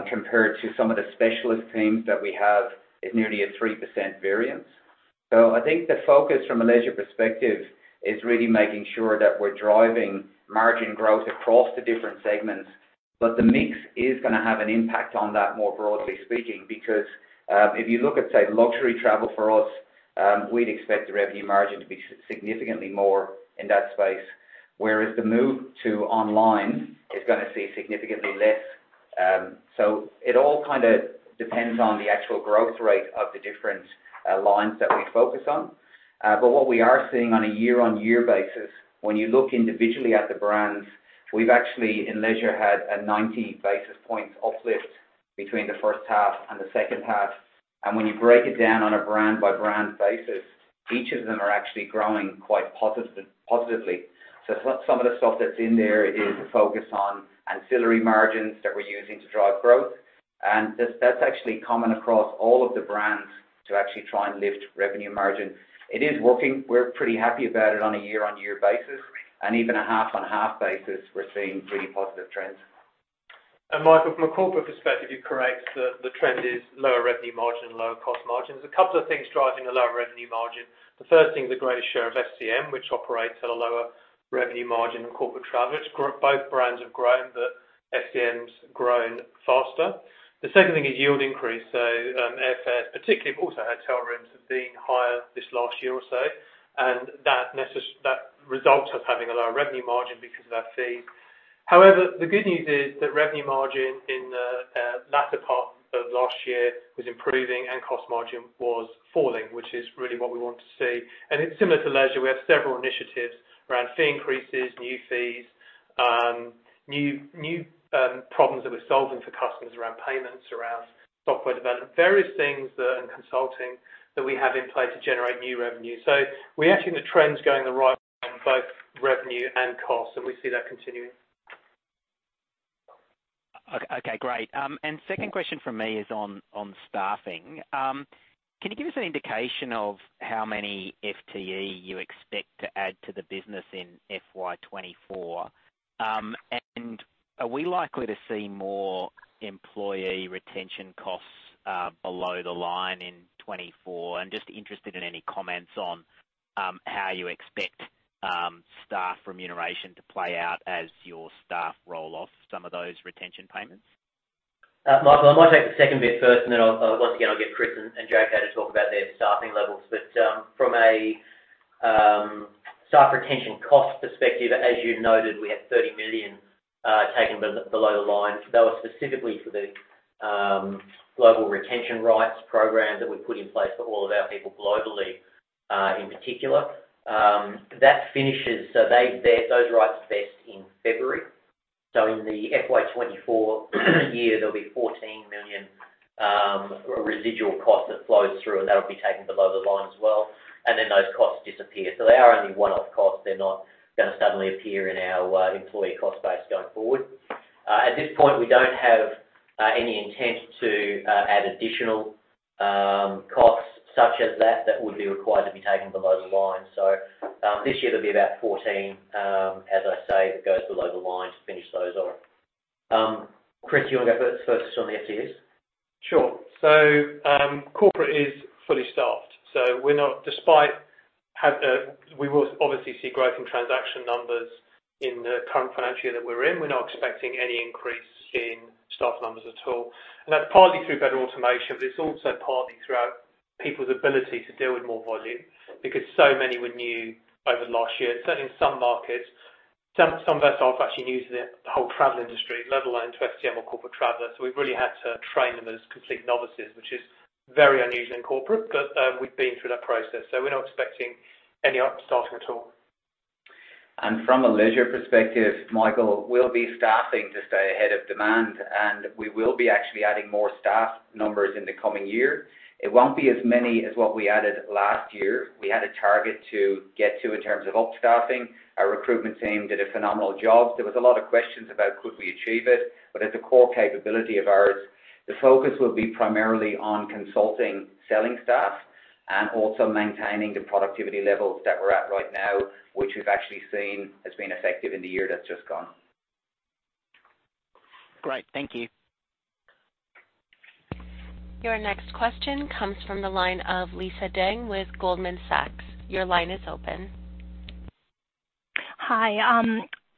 compared to some of the specialist teams that we have is nearly a 3% variance. So I think the focus from a leisure perspective is really making sure that we're driving margin growth across the different segments. But the mix is gonna have an impact on that, more broadly speaking, because if you look at, say, luxury travel for us, we'd expect the revenue margin to be significantly more in that space, whereas the move to online is gonna see significantly less. So it all kinda depends on the actual growth rate of the different lines that we focus on. But what we are seeing on a year-on-year basis, when you look individually at the brands, we've actually, in leisure, had a 90 basis points uplift between the first half and the second half. And when you break it down on a brand-by-brand basis, each of them are actually growing quite positive, positively. So some of the stuff that's in there is a focus on ancillary margins that we're using to drive growth. And that's, that's actually common across all of the brands to actually try and lift revenue margin. It is working. We're pretty happy about it on a year-on-year basis, and even a half-on-half basis, we're seeing really positive trends. And Michael, from a corporate perspective, you're correct. The trend is lower revenue margin, lower cost margins. A couple of things driving the lower revenue margin. The first thing is the greatest share of SME, which operates at a lower revenue margin in corporate travel. Both brands have grown, but SME's grown faster. The second thing is yield increase. So, airfares, particularly also hotel rooms, have been higher this last year or so, and that results us having a lower revenue margin because of our fees. However, the good news is that revenue margin in the latter part of last year was improving and cost margin was falling, which is really what we want to see. It's similar to leisure. We have several initiatives around fee increases, new fees, new problems that we're solving for customers around payments, around software development, various things that, and consulting, that we have in place to generate new revenue. So we're actually the trends going the right way on both revenue and cost, and we see that continuing. Okay, great. Second question from me is on staffing. Can you give us an indication of how many FTE you expect to add to the business in FY 2024? And are we likely to see more employee retention costs, below the line in 2024? I'm just interested in any comments on how you expect staff remuneration to play out as your staff roll off some of those retention payments. Michael, I might take the second bit first, and then I'll once again get Chris and JK to talk about their staffing levels. From a staff retention cost perspective, as you noted, we had 30 million taken below the line. That was specifically for the global retention rights program that we put in place for all of our people globally, in particular. That finishes. So they, those rights vest in February. So in the FY 2024 year, there'll be 14 million residual cost that flows through, and that'll be taken below the line as well, and then those costs disappear. So they are only one-off costs. They're not going to suddenly appear in our employee cost base going forward. At this point, we don't have any intent to add additional costs such as that that would be required to be taken below the line. So, this year, there'll be about 14 million, as I say, that goes below the line to finish those off. Chris, do you want to go first, focus on the FTEs? Sure. So, corporate is fully staffed, so we're not, despite having, we will obviously see growth in transaction numbers in the current financial year that we're in. We're not expecting any increase in staff numbers at all, and that's partly through better automation, but it's also partly through our people's ability to deal with more volume because so many were new over the last year. Certainly in some markets, some of us are actually new to the whole travel industry, let alone to FCM or corporate travel. So we've really had to train them as complete novices, which is very unusual in corporate, but we've been through that process, so we're not expecting any upstaffing at all. From a leisure perspective, Michael, we'll be staffing to stay ahead of demand, and we will be actually adding more staff numbers in the coming year. It won't be as many as what we added last year. We had a target to get to in terms of up staffing. Our recruitment team did a phenomenal job. There was a lot of questions about could we achieve it? But it's a core capability of ours. The focus will be primarily on consulting, selling staff and also maintaining the productivity levels that we're at right now, which we've actually seen has been effective in the year that's just gone. Great, thank you. Your next question comes from the line of Lisa Deng with Goldman Sachs. Your line is open. Hi,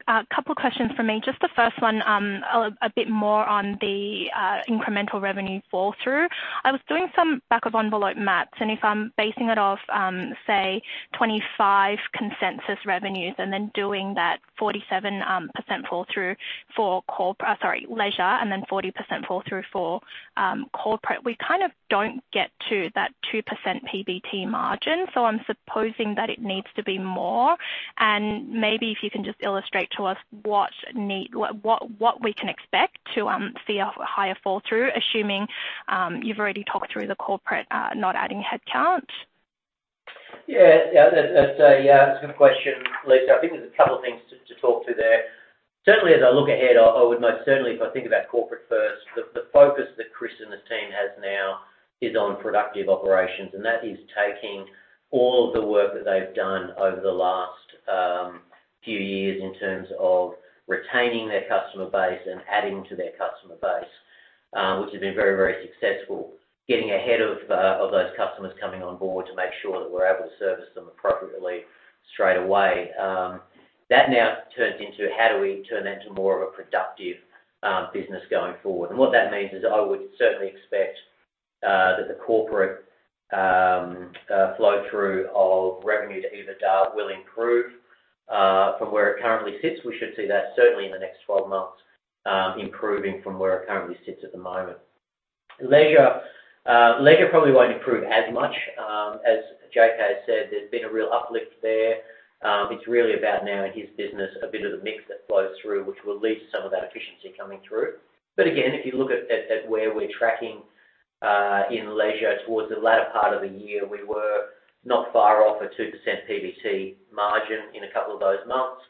a couple of questions from me. Just the first one, a bit more on the incremental revenue fall through. I was doing some back-of-envelope math, and if I'm basing it off, say, 25 consensus revenues and then doing that 47% fall through for corp—sorry, leisure, and then 40% fall through for corporate, we kind of don't get to that 2% PBT margin. So I'm supposing that it needs to be more. And maybe if you can just illustrate to us what we can expect to see a higher fall through, assuming you've already talked through the corporate not adding headcount. Yeah, yeah, that's a good question, Lisa. I think there's a couple of things to talk to there. Certainly, as I look ahead, I would most certainly if I think about corporate first, the focus that Chris and his team has now is on productive operations, and that is taking all of the work that they've done over the last few years in terms of retaining their customer base and adding to their customer base, which has been very, very successful. Getting ahead of those customers coming on board to make sure that we're able to service them appropriately straight away. That now turns into how do we turn that into more of a productive business going forward? What that means is, I would certainly expect that the corporate flow-through of revenue to EBITDA will improve from where it currently sits. We should see that certainly in the next 12 months, improving from where it currently sits at the moment. Leisure probably won't improve as much. As JK said, there's been a real uplift there. It's really about now in his business, a bit of the mix that flows through, which will lead to some of that efficiency coming through. But again, if you look at where we're tracking in leisure towards the latter part of the year, we were not far off a 2% PBT margin in a couple of those months.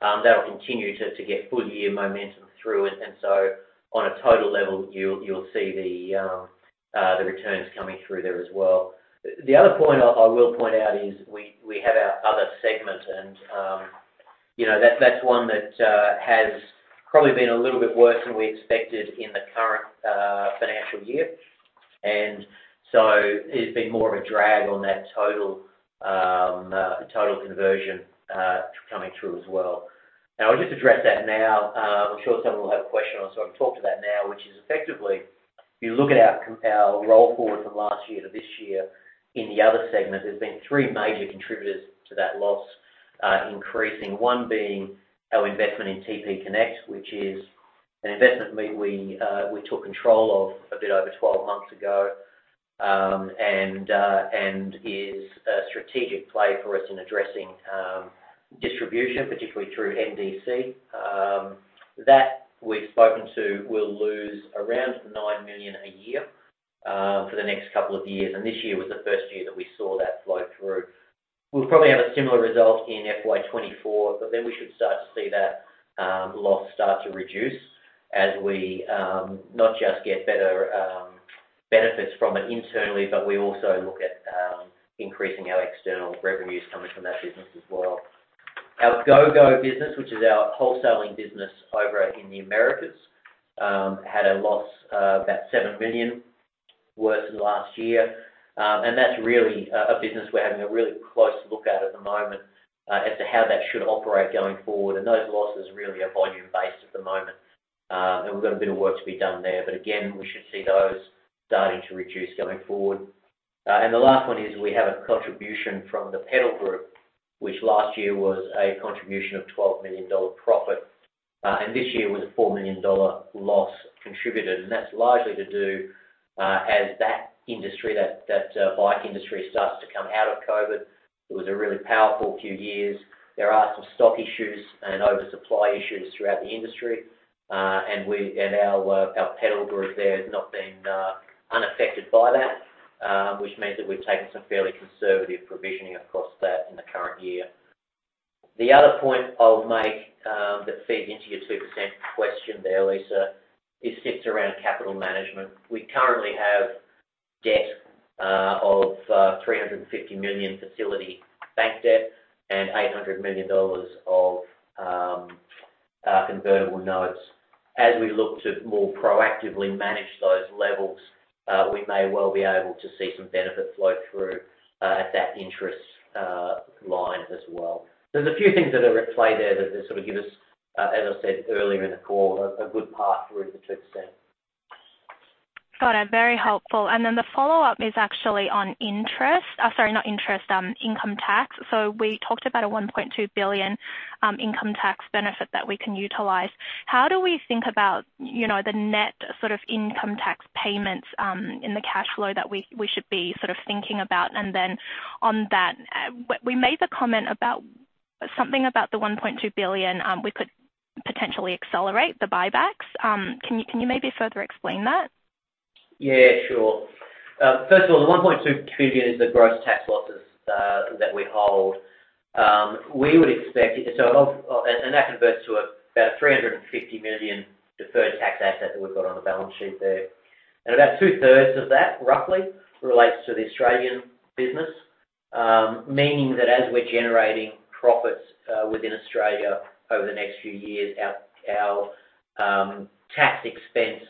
That will continue to get full year momentum through it, and so on a total level, you'll see the returns coming through there as well. The other point I will point out is we have our other segment, and, you know, that's one that has probably been a little bit worse than we expected in the current financial year. And so it's been more of a drag on that total conversion coming through as well. Now, I'll just address that now. I'm sure someone will have a question on, so I'll talk to that now, which is effectively, if you look at our roll forward from last year to this year in the other segment, there's been three major contributors to that loss increasing. One being our investment in TPConnects, which is an investment we took control of a bit over 12 months ago, and is a strategic play for us in addressing distribution, particularly through NDC. That we've spoken to will lose around 9 million a year for the next couple of years, and this year was the first year that we saw that flow through. We'll probably have a similar result in FY 2024, but then we should start to see that loss start to reduce as we not just get better benefits from it internally, but we also look at increasing our external revenues coming from that business as well. Our GOGO business, which is our wholesaling business over in the Americas, had a loss of about 7 million worse than last year. And that's really a business we're having a really close look at at the moment as to how that should operate going forward. And those losses are really volume-based at the moment. And we've got a bit of work to be done there. But again, we should see those starting to reduce going forward. And the last one is we have a contribution from the Pedal Group, which last year was a contribution of 12 million dollar profit. And this year was a 4 million dollar loss contributed, and that's largely to do as that industry, that bike industry starts to come out of COVID. It was a really powerful few years. There are some stock issues and oversupply issues throughout the industry, and our Pedal Group there has not been unaffected by that, which means that we've taken some fairly conservative provisioning across that in the current year. The other point I'll make, that feeds into your 2% question there, Lisa, is sits around capital management. We currently have debt of 350 million facility bank debt and 800 million dollars of convertible notes. As we look to more proactively manage those levels, we may well be able to see some benefit flow through at that interest line as well. There's a few things that are at play there that sort of give us, as I said earlier in the call, a good path through the 2%. Got it. Very helpful. And then the follow-up is actually on interest, sorry, not interest, income tax. So we talked about a 1.2 billion income tax benefit that we can utilize. How do we think about, you know, the net sort of income tax payments in the cash flow that we should be sort of thinking about? And then on that, we made the comment about something about the 1.2 billion, we could potentially accelerate the buybacks. Can you maybe further explain that? Yeah, sure. First of all, the 1.2 billion is the gross tax losses that we hold. We would expect it, and that converts to about 350 million deferred tax asset that we've got on the balance sheet there. And about two-thirds of that, roughly, relates to the Australian business, meaning that as we're generating profits within Australia over the next few years, our tax expense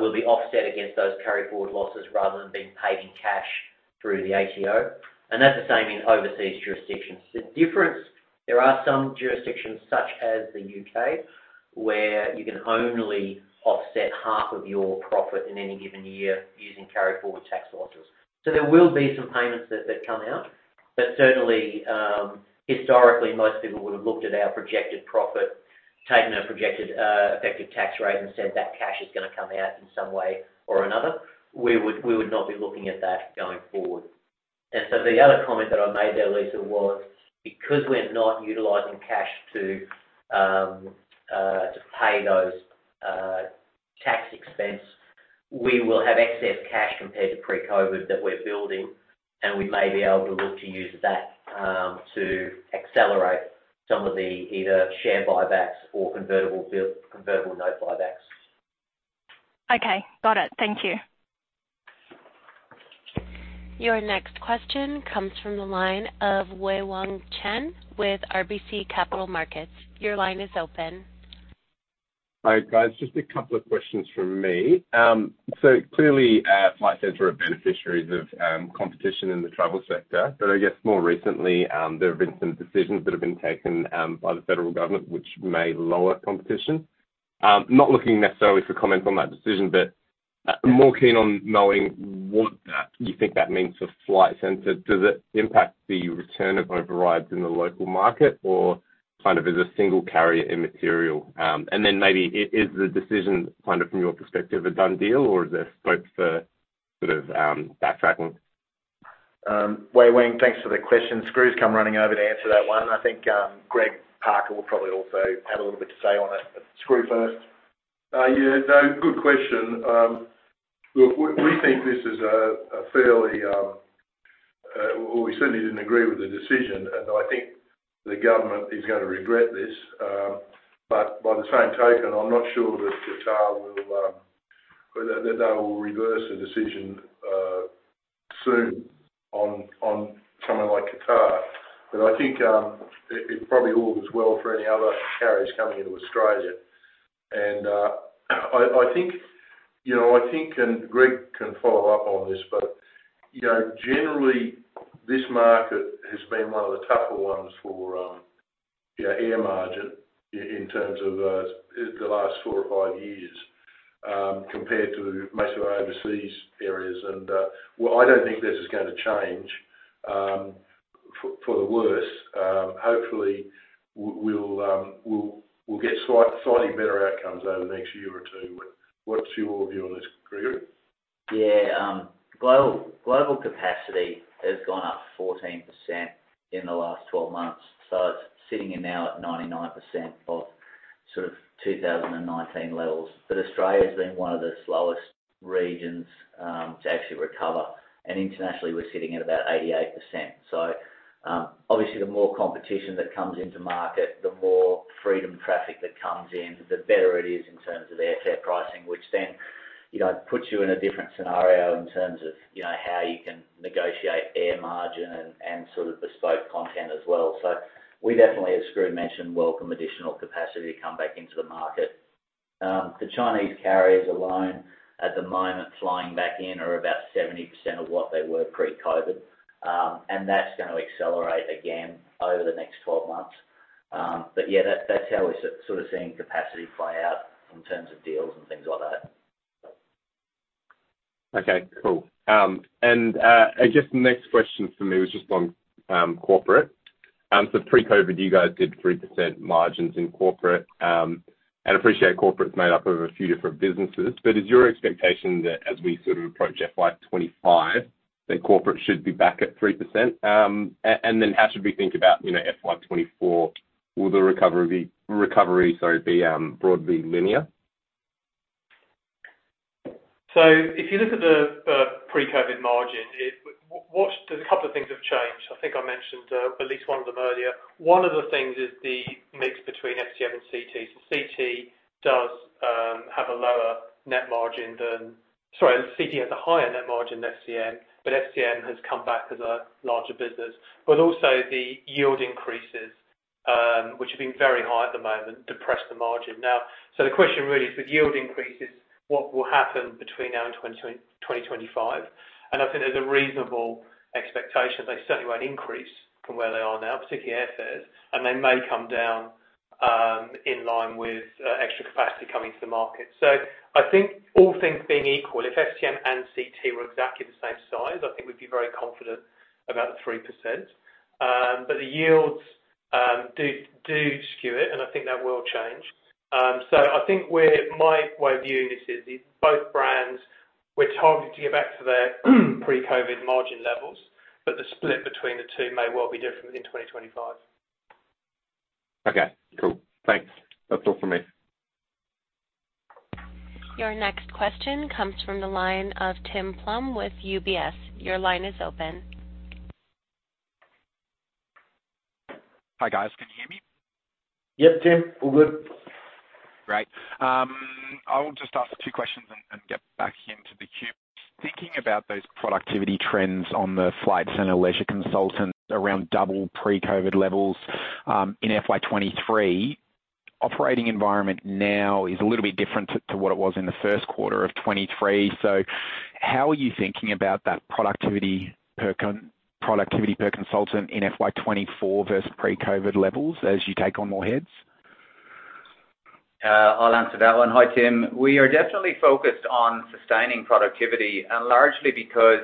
will be offset against those carry-forward losses rather than being paid in cash through the ATO, and that's the same in overseas jurisdictions. The difference, there are some jurisdictions, such as the U.K., where you can only offset half of your profit in any given year using carry-forward tax losses. So there will be some payments that come out, but certainly, historically, most people would have looked at our projected profit, taken a projected effective tax rate, and said that cash is gonna come out in some way or another. We would not be looking at that going forward. And so the other comment that I made there, Lisa, was because we're not utilizing cash to pay those tax expense, we will have excess cash compared to pre-COVID that we're building, and we may be able to look to use that to accelerate some of the either share buybacks or convertible note buybacks. Okay, got it. Thank you. Your next question comes from the line of Wei-Weng Chen with RBC Capital Markets. Your line is open. Hi, guys. Just a couple of questions from me. So clearly, Flight Centre are beneficiaries of competition in the travel sector, but I guess more recently, there have been some decisions that have been taken by the federal government, which may lower competition. Not looking necessarily for comment on that decision, but more keen on knowing what that you think that means for Flight Centre. Does it impact the return of overrides in the local market, or kind of is a single carrier immaterial? And then maybe is the decision, kind of from your perspective, a done deal, or is there scope for sort of backtracking? Wei-Weng, thanks for the question. Skroo's come running over to answer that one. I think, Greg Parker will probably also have a little bit to say on it, but Skroo first. Yeah, no, good question. Look, we think this is a fairly. We certainly didn't agree with the decision, and I think the government is gonna regret this. But by the same token, I'm not sure that Qatar will that they will reverse the decision soon on someone like Qatar. But I think it probably all is well for any other carriers coming into Australia. And I think, you know, I think, and Greg can follow up on this, but you know, generally, this market has been one of the tougher ones for yeah, air margin in terms of the last 4 or 5 years compared to most of our overseas areas. And well, I don't think this is gonna change for the worse. Hopefully, we'll get slightly better outcomes over the next year or two. But what's your view on this, Greg? Yeah, global capacity has gone up 14% in the last 12 months, so it's sitting now at 99% of sort of 2019 levels. But Australia's been one of the slowest regions to actually recover, and internationally, we're sitting at about 88%. So, obviously, the more competition that comes into market, the more freedom traffic that comes in, the better it is in terms of airfare pricing, which then, you know, puts you in a different scenario in terms of, you know, how you can negotiate air margin and sort of bespoke content as well. So we definitely, as Skroo mentioned, welcome additional capacity to come back into the market. The Chinese carriers alone at the moment, flying back in, are about 70% of what they were pre-COVID. That's gonna accelerate again over the next 12 months. But yeah, that's, that's how we're sort of seeing capacity play out in terms of deals and things like that. Okay, cool. And, I guess the next question for me was just on corporate. So pre-COVID, you guys did 3% margins in corporate. And appreciate corporate is made up of a few different businesses. But is your expectation that as we sort of approach FY 2025, that corporate should be back at 3%? And then how should we think about, you know, FY 2024? Will the recovery be broadly linear? So if you look at the pre-COVID margin, there's a couple of things have changed. I think I mentioned at least one of them earlier. One of the things is the mix between FCM and CT. So CT does have a lower net margin than—Sorry, CT has a higher net margin than FCM, but FCM has come back as a larger business. But also the yield increases, which have been very high at the moment, depress the margin. Now, so the question really is with yield increases, what will happen between now and 2025? And I think there's a reasonable expectation they certainly won't increase from where they are now, particularly airfares, and they may come down in line with extra capacity coming to the market. So I think all things being equal, if FCM and CT were exactly the same size, I think we'd be very confident about the 3%. But the yields do skew it, and I think that will change. So I think we're, my way of viewing this is both brands, we're targeting to get back to their pre-COVID margin levels, but the split between the two may well be different within 2025. Okay, cool. Thanks. That's all for me. Your next question comes from the line of Tim Plumbe with UBS. Your line is open. Hi, guys. Can you hear me? Yep, Tim, all good. Great. I will just ask two questions and, and get back into the queue. Thinking about those productivity trends on the Flight Centre leisure consultants around double pre-COVID levels, in FY 2023, operating environment now is a little bit different to, to what it was in the first quarter of 2023. So how are you thinking about that productivity per productivity per consultant in FY 2024 versus pre-COVID levels, as you take on more heads? I'll answer that one. Hi, Tim. We are definitely focused on sustaining productivity, and largely because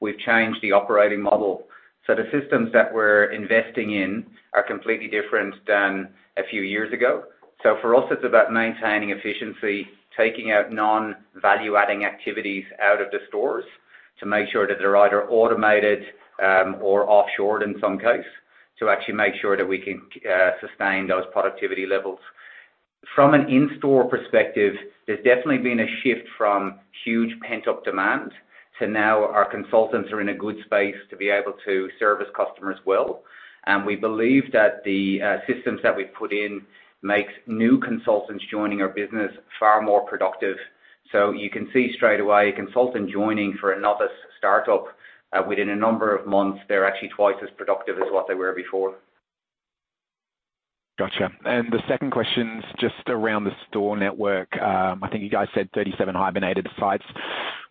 we've changed the operating model. So the systems that we're investing in are completely different than a few years ago. So for us, it's about maintaining efficiency, taking out non-value-adding activities out of the stores to make sure that they're either automated, or offshored in some case, to actually make sure that we can sustain those productivity levels. From an in-store perspective, there's definitely been a shift from huge pent-up demand to now our consultants are in a good space to be able to service customers well. And we believe that the systems that we've put in makes new consultants joining our business far more productive. So you can see straight away, a consultant joining for another start-up, within a number of months, they're actually twice as productive as what they were before. Gotcha. And the second question is just around the store network. I think you guys said 37 hibernated sites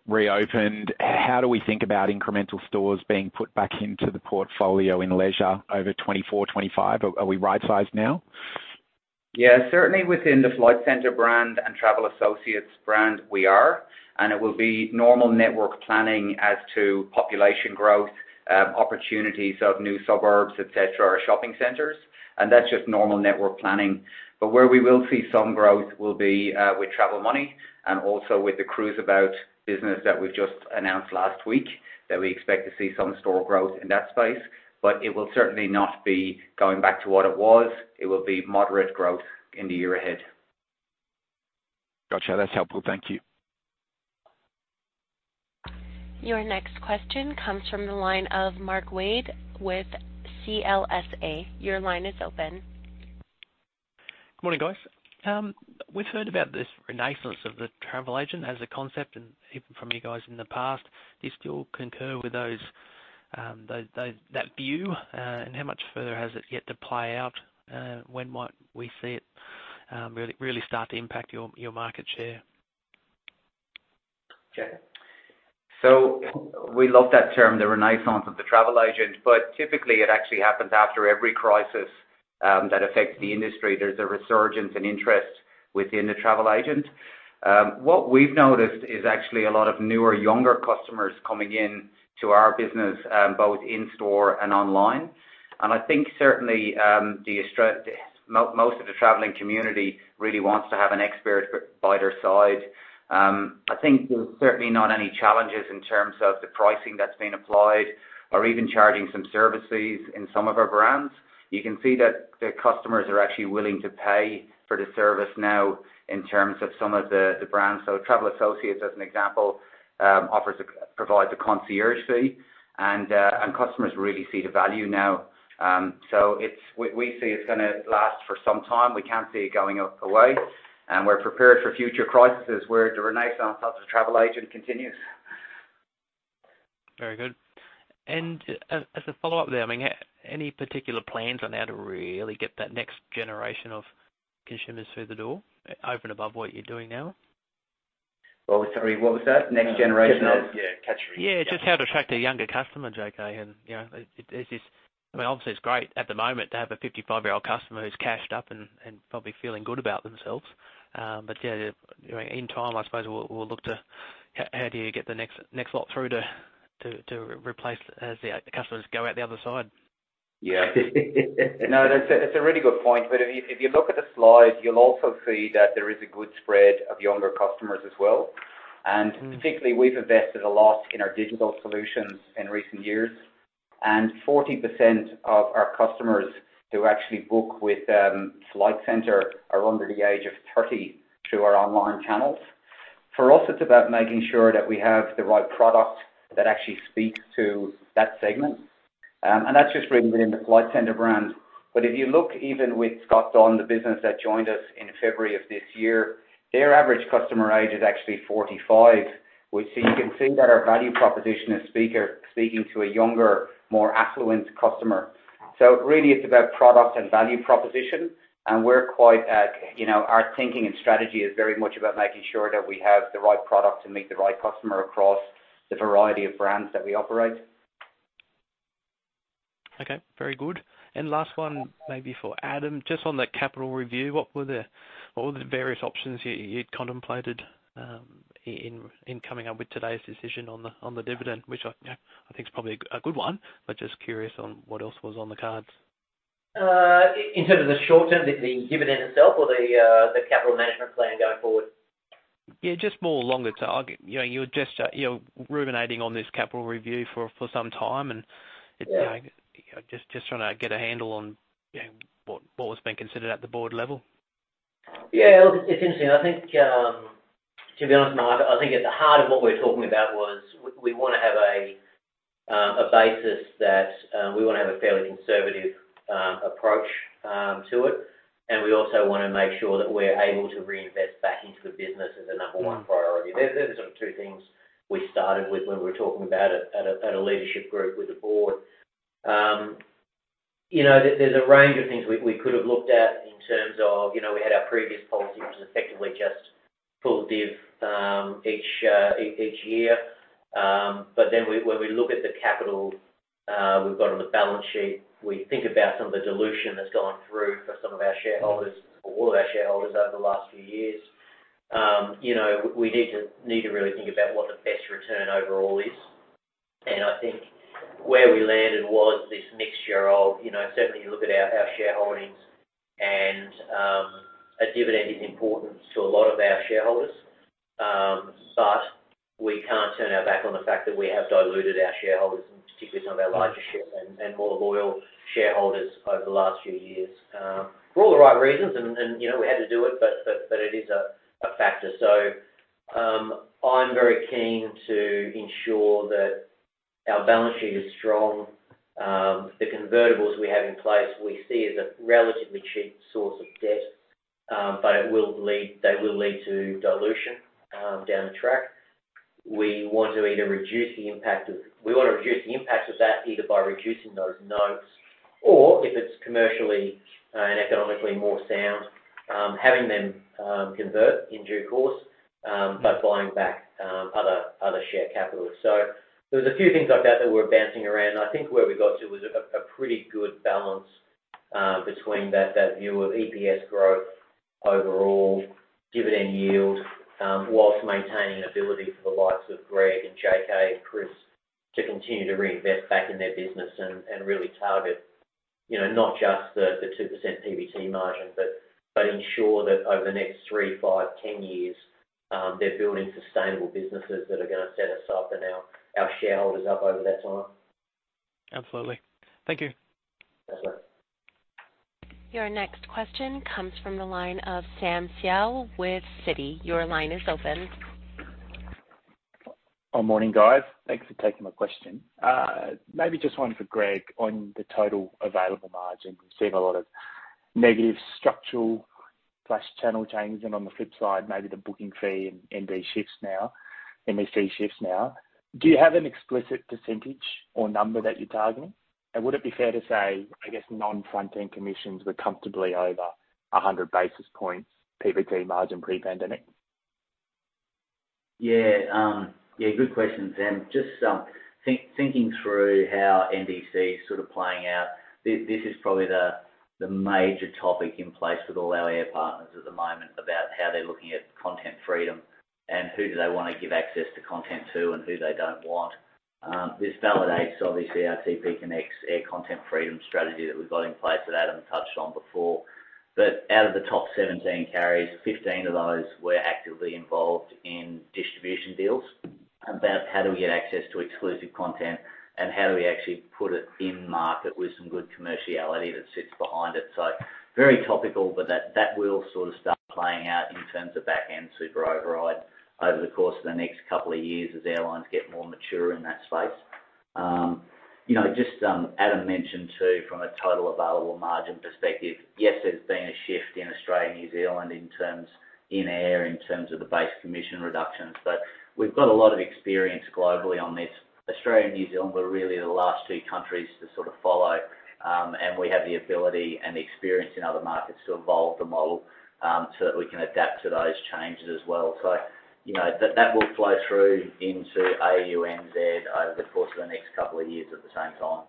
reopened. How do we think about incremental stores being put back into the portfolio in leisure over 2024, 2025? Are we right-sized now? Yeah, certainly within the Flight Centre brand and Travel Associates brand, we are, and it will be normal network planning as to population growth, opportunities of new suburbs, et cetera, or shopping centers, and that's just normal network planning. But where we will see some growth will be, with Travel Money and also with the Cruiseabout business that we've just announced last week, that we expect to see some store growth in that space. But it will certainly not be going back to what it was. It will be moderate growth in the year ahead. Gotcha, that's helpful. Thank you. Your next question comes from the line of Mark Wade with CLSA. Your line is open. Good morning, guys. We've heard about this renaissance of the travel agent as a concept, and even from you guys in the past. Do you still concur with that view? And how much further has it yet to play out? When might we see it really, really start to impact your market share? Okay. So we love that term, the renaissance of the travel agent, but typically it actually happens after every crisis, that affects the industry. There's a resurgence in interest within the travel agent. What we've noticed is actually a lot of newer, younger customers coming in to our business, both in-store and online. And I think certainly, most of the traveling community really wants to have an expert by their side. I think there's certainly not any challenges in terms of the pricing that's been applied or even charging some services in some of our brands. You can see that the customers are actually willing to pay for the service now in terms of some of the, the brands. So Travel Associates, as an example, provides a concierge fee, and, and customers really see the value now. So, we see it's gonna last for some time. We can't see it going away, and we're prepared for future crises where the renaissance of the travel agent continues. Very good. And as a follow-up there, I mean, any particular plans on how to really get that next generation of consumers through the door, over and above what you're doing now? Well, sorry, what was that? Next generation of- Yeah, just how to attract a younger customer, JK And, you know, it, it's just-- I mean, obviously, it's great at the moment to have a 55-year-old customer who's cashed up and probably feeling good about themselves. But yeah, in time, I suppose we'll look to how do you get the next lot through to replace as the customers go out the other side? Yeah. No, that's a really good point. But if you look at the slide, you'll also see that there is a good spread of younger customers as well. Particularly, we've invested a lot in our digital solutions in recent years, and 40% of our customers who actually book with Flight Centre are under the age of 30 through our online channels. For us, it's about making sure that we have the right product that actually speaks to that segment. And that's just bringing in the Flight Centre brand. But if you look even with Scott Dunn, the business that joined us in February of this year, their average customer age is actually 45. Which so you can see that our value proposition is speaking to a younger, more affluent customer. So really, it's about product and value proposition, and we're quite, you know, our thinking and strategy is very much about making sure that we have the right product to meet the right customer across the variety of brands that we operate. Okay, very good. And last one, maybe for Adam, just on the capital review, what were the various options you'd contemplated in coming up with today's decision on the dividend? Which I, you know, I think is probably a good one, but just curious on what else was on the cards. In terms of the short term, the dividend itself or the capital management plan going forward? Yeah, just more longer term. You know, you're just ruminating on this capital review for some time, and- Yeah. It's, you know, just trying to get a handle on, you know, what was being considered at the board level. Yeah, look, it's interesting. I think, to be honest, Nick, I think at the heart of what we're talking about was we, we wanna have a, a basis that, we wanna have a fairly conservative, approach, to it. And we also wanna make sure that we're able to reinvest back into the business as a number one priority. There are sort of two things we started with when we were talking about it at a leadership group with the board. You know, there's a range of things we could have looked at in terms of, you know, we had our previous policy, which was effectively just full div each year. But then, when we look at the capital we've got on the balance sheet, we think about some of the dilution that's gone through for some of our shareholders- for all of our shareholders over the last few years. You know, we need to, we need to really think about what the best return overall is. And I think where we landed was this mixture of, you know, certainly you look at our, our shareholdings and, a dividend is important to a lot of our shareholders. But we can't turn our back on the fact that we have diluted our shareholders, and particularly some of our larger- shareholders and more loyal shareholders over the last few years. For all the right reasons, and you know, we had to do it, but it is a factor. So, I'm very keen to ensure that our balance sheet is strong. The convertibles we have in place, we see as a relatively cheap source of debt, but they will lead to dilution down the track. We want to either reduce the impact of that, either by reducing those notes or if it's commercially and economically more sound, having them convert in due course by buying back other share capital. So there's a few things like that that we're bouncing around. I think where we got to was a pretty good balance between that view of EPS growth overall, dividend yield, while maintaining an ability for the likes of Greg and JK and Chris to continue to reinvest back in their business and really target, you know, not just the 2% PBT margin, but ensure that over the next three, five, ten years, they're building sustainable businesses that are gonna set us up and our shareholders up over that time. Absolutely. Thank you. That's it. Your next question comes from the line of Sam Seow with Citi. Your line is open. Good morning, guys. Thanks for taking my question. Maybe just one for Greg. On the total available margin, we've seen a lot of negative structural plus channel change, and on the flip side, maybe the booking fee and NDC shifts now. Do you have an explicit percentage or number that you're targeting? And would it be fair to say, I guess non-front end commissions were comfortably over 100 basis points, PBT margin pre-pandemic? Yeah, yeah, good question, Sam. Just, thinking through how NDC is sort of playing out, this, this is probably the, the major topic in place with all our air partners at the moment about how they're looking at content freedom and who do they want to give access to content to and who they don't want. This validates obviously our TPConnects' air content freedom strategy that we've got in place, that Adam touched on before. But out of the top 17 carriers, 15 of those were actively involved in distribution deals about how do we get access to exclusive content and how do we actually put it in market with some good commerciality that sits behind it. So very topical, but that, that will sort of start playing out in terms of back end super override over the course of the next couple of years as airlines get more mature in that space. You know, just, Adam mentioned too, from a total available margin perspective, yes, there's been a shift in Australia and New Zealand in terms, in air, in terms of the base commission reductions, but we've got a lot of experience globally on this. Australia and New Zealand were really the last two countries to sort of follow, and we have the ability and the experience in other markets to evolve the model, so that we can adapt to those changes as well. So, you know, that, that will flow through into AU, NZ over the course of the next couple of years at the same time.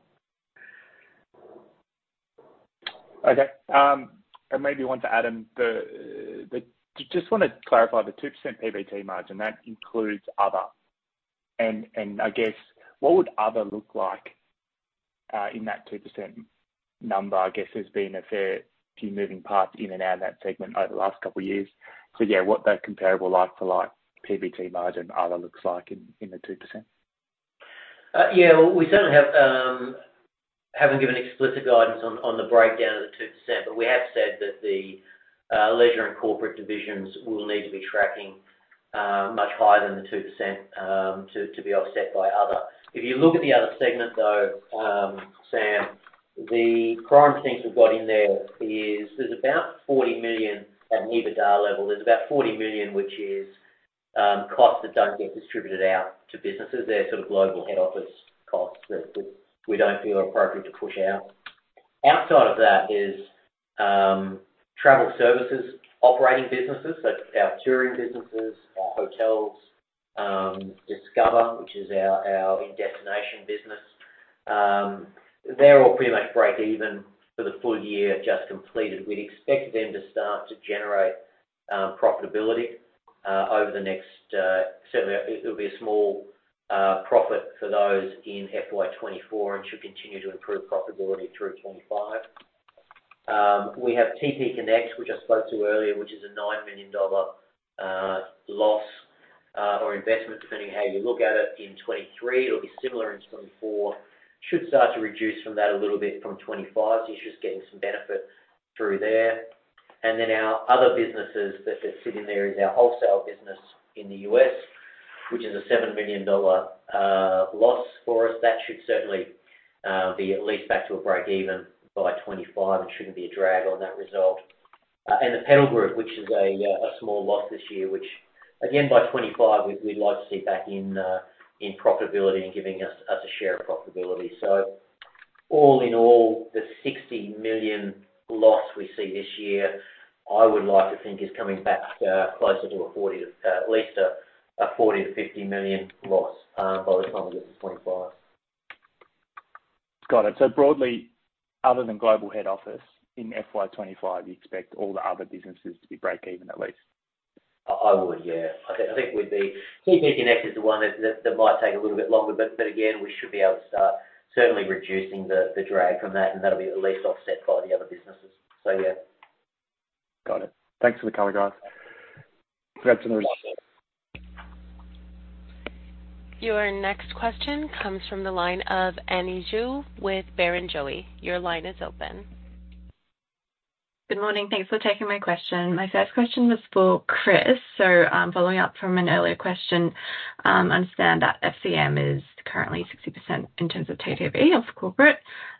Okay, and maybe one to Adam, just want to clarify the 2% PBT margin, that includes other. And I guess what would other look like in that 2% number? I guess there's been a fair few moving parts in and out of that segment over the last couple of years. So yeah, what that comparable like-for-like PBT margin other looks like in the 2%? Yeah, we certainly haven't given explicit guidance on the breakdown of the 2%, but we have said that the leisure and corporate divisions will need to be tracking much higher than the 2% to be offset by other. If you look at the other segment, though, Sam, the current things we've got in there is there's about 40 million at EBITDA level. There's about 40 million, which is costs that don't get distributed out to businesses. They're sort of global head office costs that we don't feel are appropriate to push out. Outside of that is travel services, operating businesses, so our touring businesses, our hotels, Discova, which is our in-destination business. They're all pretty much break even for the full year, just completed. We'd expect them to start to generate profitability over the next. It'll be a small profit for those in FY 2024 and should continue to improve profitability through 2025. We have TPConnects, which I spoke to earlier, which is a 9 million dollar loss or investment, depending on how you look at it, in 2023. It'll be similar in 2024. Should start to reduce from that a little bit from 2025. So you're just getting some benefit through there. And then our other businesses that are sitting there is our wholesale business in the US, which is a 7 million dollar loss for us. That should certainly be at least back to a break even by 2025 and shouldn't be a drag on that result. And the Pedal Group, which is a small loss this year, which again, by 2025, we'd, we'd like to see back in profitability and giving us a share of profitability. So all in all, the 60 million loss we see this year, I would like to think is coming back closer to a forty, at least a 40 million-50 million loss, by the time we get to 2025. Got it. So broadly, other than global head office in FY 2025, you expect all the other businesses to be break even, at least? I would, yeah. I think TPConnects is the one that might take a little bit longer, but again, we should be able to start certainly reducing the drag from that, and that'll be at least offset by the other businesses. So yeah. Got it. Thanks for the color, guys. Back to the- Your next question comes from the line of Annie Zhu with Barrenjoey. Your line is open. Good morning. Thanks for taking my question. My first question was for Chris. Following up from an earlier question, I understand that FCM is currently 60% in terms of TTV of corporate.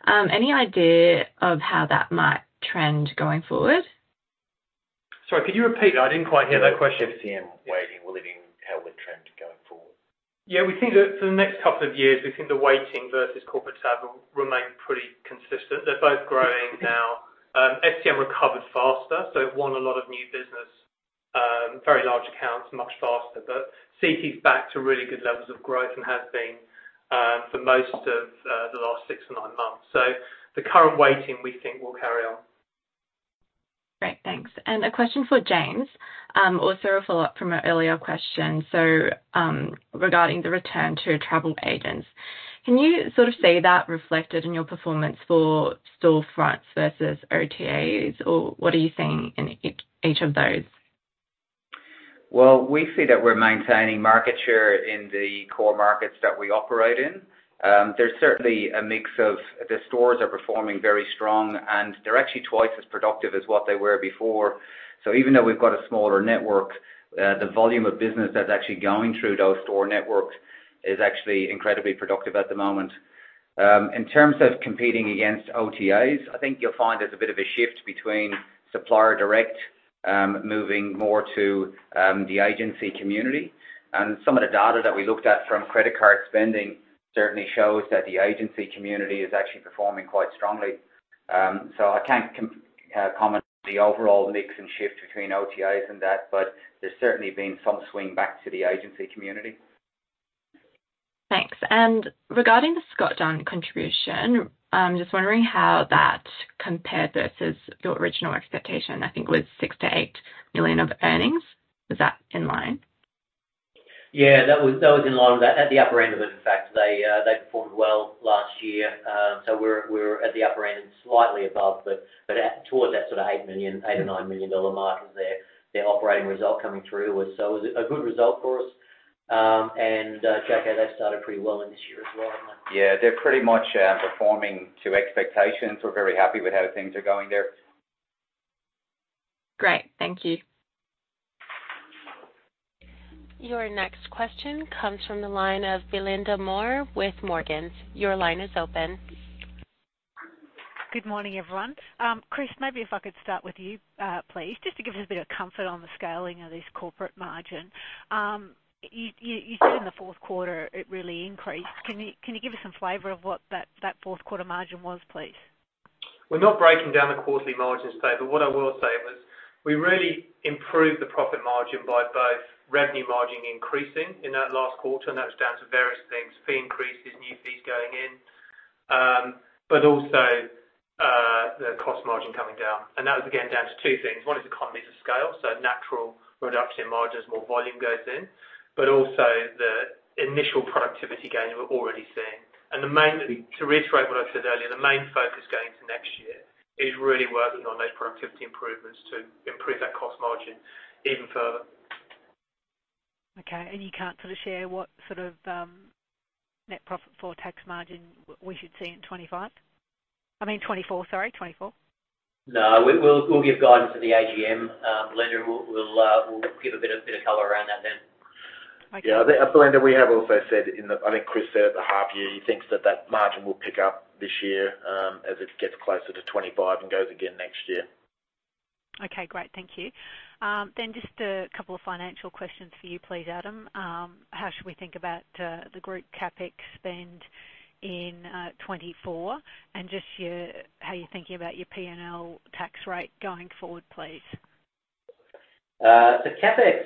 Any idea of how that might trend going forward? Sorry, could you repeat? I didn't quite hear that question. FCM weighting, will it be, how will it trend going forward? Yeah, we think that for the next couple of years, we think the weighting versus corporate travel will remain pretty consistent. They're both growing now. FCM recovered faster, so it won a lot of new business, very large accounts, much faster. But CT's back to really good levels of growth and has been for most of the last 6-9 months. So the current weighting, we think, will carry on. Great, thanks. And a question for James. Also a follow-up from an earlier question. So, regarding the return to travel agents, can you sort of see that reflected in your performance for storefronts versus OTAs, or what are you seeing in each of those? Well, we see that we're maintaining market share in the core markets that we operate in. There's certainly a mix of the stores are performing very strong, and they're actually twice as productive as what they were before. So even though we've got a smaller network, the volume of business that's actually going through those store networks is actually incredibly productive at the moment. In terms of competing against OTAs, I think you'll find there's a bit of a shift between supplier direct, moving more to the agency community. And some of the data that we looked at from credit card spending certainly shows that the agency community is actually performing quite strongly. So I can't comment on the overall mix and shift between OTAs and that, but there's certainly been some swing back to the agency community. Thanks. Regarding the Scott Dunn contribution, I'm just wondering how that compared versus your original expectation. I think it was 6-8 million of earnings. Was that in line? Yeah, that was, that was in line with that, at the upper end of it, in fact. They, they performed well last year. So we're, we're at the upper end, slightly above the but at, towards that sort of 8 million, 8 million or 9 million dollar mark as their, their operating result coming through was, so it was a good result for us. And, check out, they've started pretty well in this year as well. Yeah, they're pretty much performing to expectations. We're very happy with how things are going there. Great. Thank you. Your next question comes from the line of Belinda Moore with Morgans. Your line is open. Good morning, everyone. Chris, maybe if I could start with you, please, just to give us a bit of comfort on the scaling of this corporate margin. You said in the fourth quarter, it really increased. Can you give us some flavor of what that fourth quarter margin was, please? We're not breaking down the quarterly margins today, but what I will say is we really improved the profit margin by both revenue margin increasing in that last quarter, and that was down to various things, fee increases, new fees going in, but also the cost margin coming down. And that was, again, down to two things. One is economies of scale, so natural reduction in margin as more volume goes in, but also the initial productivity gains we're already seeing. And the main to reiterate what I said earlier, the main focus going into next year is really working on those productivity improvements to improve that cost margin even further. Okay, and you can't sort of share what sort of net profit for tax margin we should see in 2025? I mean, 2024, sorry, 2024. No, we'll give guidance at the AGM. Belinda, we'll give a bit of color around that then. Okay. Yeah, I think, Belinda, we have also said in the I think Chris said at the half year, he thinks that that margin will pick up this year, as it gets closer to 25 and goes again next year. Okay, great. Thank you. Then just a couple of financial questions for you, please, Adam. How should we think about the group CapEx spend in 2024? And just how you're thinking about your P&L tax rate going forward, please. So CapEx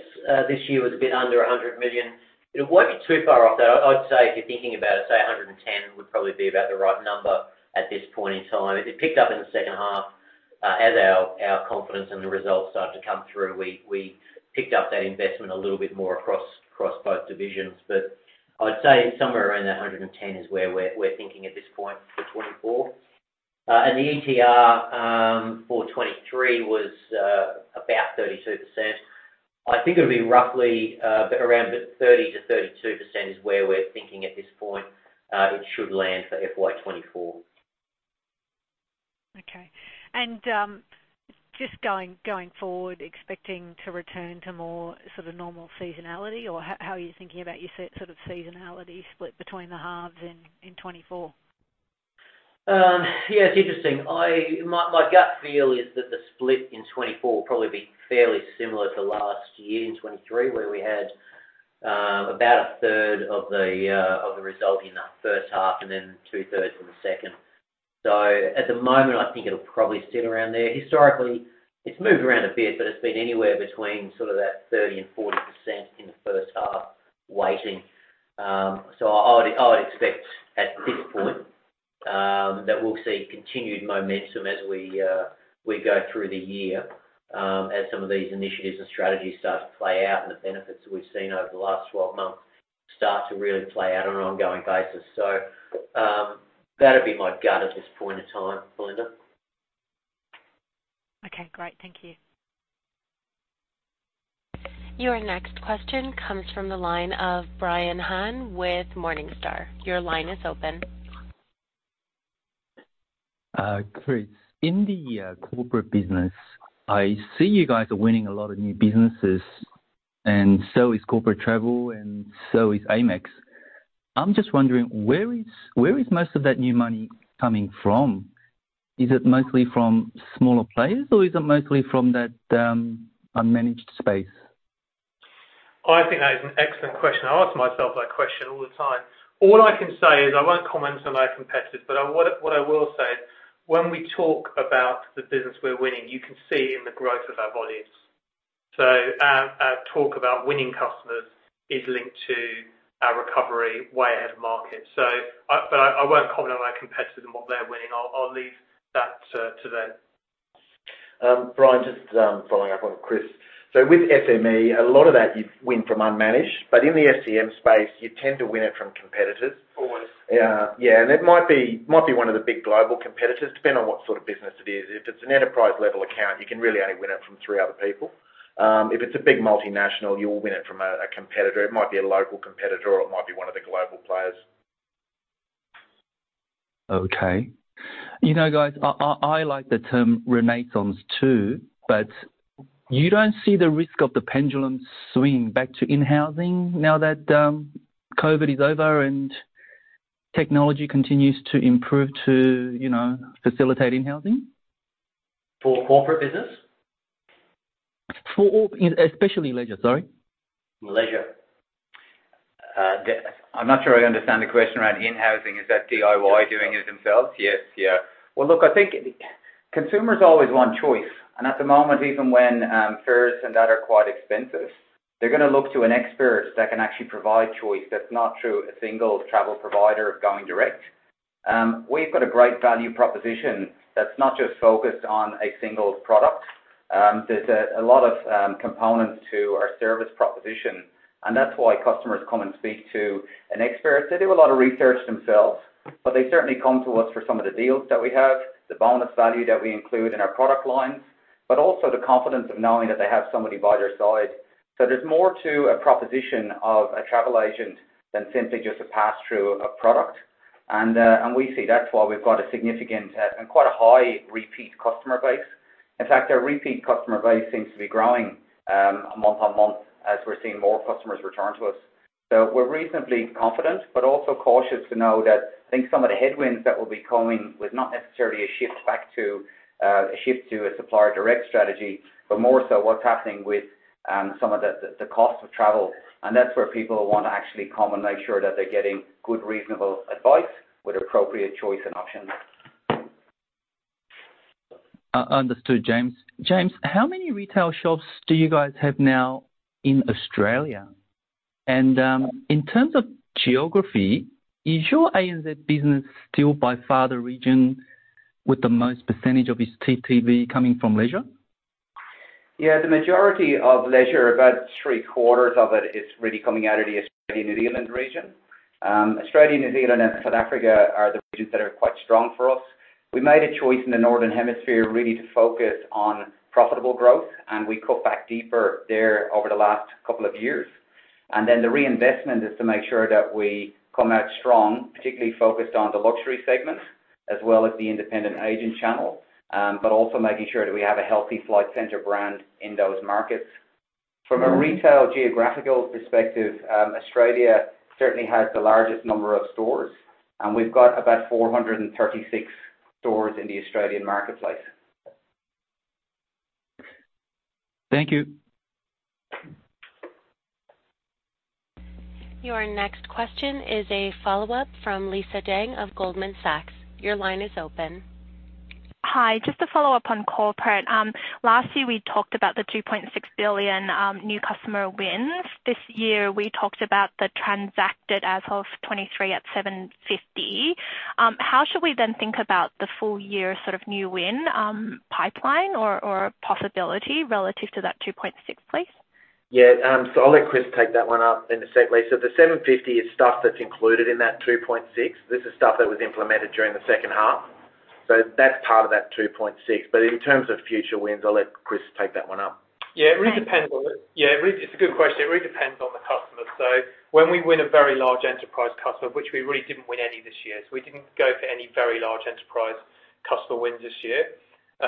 this year was a bit under 100 million. It won't be too far off, though. I'd say if you're thinking about it, say 110 million would probably be about the right number at this point in time. It picked up in the second half as our confidence and the results started to come through. We picked up that investment a little bit more across both divisions. But I'd say somewhere around that 110 million is where we're thinking at this point for 2024. And the ETR for 2023 was about 32%. I think it would be roughly around 30%-32% is where we're thinking at this point it should land for FY 2024. Okay. And just going forward, expecting to return to more sort of normal seasonality, or how are you thinking about your sort of seasonality split between the halves in 2024? Yeah, it's interesting. My, my gut feel is that the split in 2024 will probably be fairly similar to last year in 2023, where we had about a third of the result in that first half and then two-thirds in the second. So at the moment, I think it'll probably sit around there. Historically, it's moved around a bit, but it's been anywhere between sort of that 30%-40% in the first half weighting. So I would, I would expect at this point that we'll see continued momentum as we, we go through the year as some of these initiatives and strategies start to play out and the benefits that we've seen over the last 12 months start to really play out on an ongoing basis. So, that'd be my gut at this point in time, Belinda. Okay, great. Thank you. Your next question comes from the line of Brian Han with Morningstar. Your line is open. Chris, in the corporate business, I see you guys are winning a lot of new businesses, and so is corporate travel and so is Amex. I'm just wondering, where is most of that new money coming from? Is it mostly from smaller players, or is it mostly from that unmanaged space? I think that is an excellent question. I ask myself that question all the time. All I can say is I won't comment on our competitors, but what, what I will say, when we talk about the business we're winning, you can see in the growth of our volumes. So our, our talk about winning customers is linked to our recovery way ahead of market. So I but I, I won't comment on our competitors and what they're winning. I'll, I'll leave that to them. Brian, just following up on Chris. So with SME, a lot of that you win from unmanaged, but in the FCM space, you tend to win it from competitors. Always. Yeah, yeah. And it might be, might be one of the big global competitors, depending on what sort of business it is. If it's an enterprise-level account, you can really only win it from three other people. If it's a big multinational, you will win it from a competitor. It might be a local competitor, or it might be one of the global players. Okay. You know, guys, I like the term renaissance, too, but you don't see the risk of the pendulum swinging back to in-housing now that COVID is over and technology continues to improve to, you know, facilitate in-housing? For corporate business? For all, especially leisure, sorry. Leisure. I'm not sure I understand the question around in-housing. Is that DIY, doing it themselves? Yes. Yeah. Well, look, I think consumers always want choice, and at the moment, even when fares and that are quite expensive, they're going to look to an expert that can actually provide choice that's not through a single travel provider going direct. We've got a great value proposition that's not just focused on a single product. There's a lot of components to our service proposition, and that's why customers come and speak to an expert. They do a lot of research themselves, but they certainly come to us for some of the deals that we have, the bonus value that we include in our product lines, but also the confidence of knowing that they have somebody by their side. So there's more to a proposition of a travel agent than simply just a pass-through of product. And, and we see that's why we've got a significant, and quite a high repeat customer base. In fact, our repeat customer base seems to be growing, month on month as we're seeing more customers return to us. So we're reasonably confident, but also cautious to know that I think some of the headwinds that will be coming with not necessarily a shift back to, a shift to a supplier direct strategy, but more so what's happening with- Some of the cost of travel, and that's where people want to actually come and make sure that they're getting good, reasonable advice with appropriate choice and options. Understood, James. James, how many retail shops do you guys have now in Australia? And, in terms of geography, is your ANZ business still by far the region with the most percentage of its TTV coming from leisure? Yeah, the majority of leisure, about three-quarters of it, is really coming out of the Australia-New Zealand region. Australia, New Zealand, and South Africa are the regions that are quite strong for us. We made a choice in the Northern Hemisphere, really to focus on profitable growth, and we cut back deeper there over the last couple of years. And then the reinvestment is to make sure that we come out strong, particularly focused on the luxury segment, as well as the independent agent channel, but also making sure that we have a healthy Flight Centre brand in those markets. From a retail geographical perspective, Australia certainly has the largest number of stores, and we've got about 436 stores in the Australian marketplace. Thank you. Your next question is a follow-up from Lisa Deng of Goldman Sachs. Your line is open. Hi. Just to follow up on corporate. Last year, we talked about the 2.6 billion new customer wins. This year, we talked about the transacted as of 2023 at 750 million. How should we then think about the full year sort of new win pipeline or possibility relative to that 2.6 billion, please? Yeah, so I'll let Chris take that one up in a sec, Lisa. The 750 is stuff that's included in that 2.6. This is stuff that was implemented during the second half, so that's part of that 2.6. But in terms of future wins, I'll let Chris take that one up. Yeah, it really depends on it. Yeah, it's a good question. It really depends on the customer. So when we win a very large enterprise customer, which we really didn't win any this year, so we didn't go for any very large enterprise customer wins this year,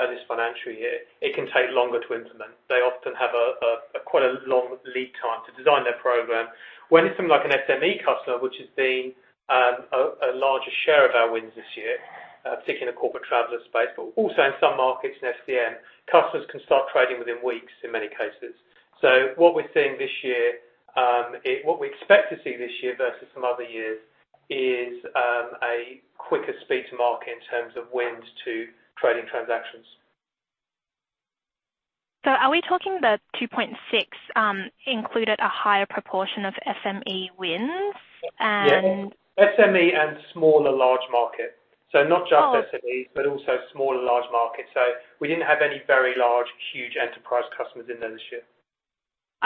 this financial year, it can take longer to implement. They often have a quite a long lead time to design their program. When it's from, like, an SME customer, which has been a larger share of our wins this year, particularly in the Corporate Traveller space, but also in some markets in FCM, customers can start trading within weeks in many cases. So what we're seeing this year, what we expect to see this year versus some other years is a quicker speed to market in terms of wins to trading transactions. Are we talking the 2.6 included a higher proportion of SME wins and- Yes. SME and small and large market. Oh. So not just SMEs, but also small and large markets. So we didn't have any very large, huge enterprise customers in there this year.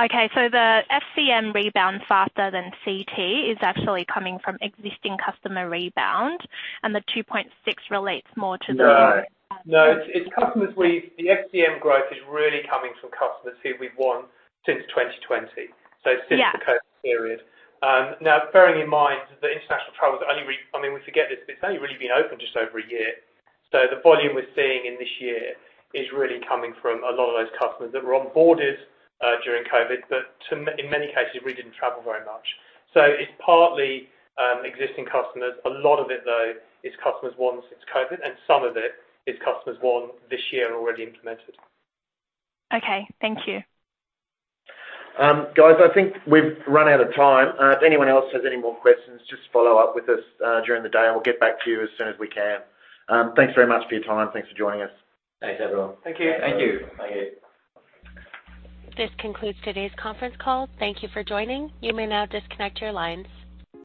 Okay, so the FCM rebound faster than CT is actually coming from existing customer rebound, and the 2.6 relates more to the No. No, it's customers we've. The FCM growth is really coming from customers who we've won since 2020. Yeah. So since the COVID period. Now, bearing in mind that international travel is only I mean, we forget this, but it's only really been open just over a year. So the volume we're seeing in this year is really coming from a lot of those customers that were onboarded during COVID, but in many cases, really didn't travel very much. So it's partly existing customers. A lot of it, though, is customers won since COVID, and some of it is customers won this year and already implemented. Okay, thank you. Guys, I think we've run out of time. If anyone else has any more questions, just follow up with us during the day, and we'll get back to you as soon as we can. Thanks very much for your time. Thanks for joining us. Thanks, everyone. Thank you. Thank you. Thank you. This concludes today's conference call. Thank you for joining. You may now disconnect your lines.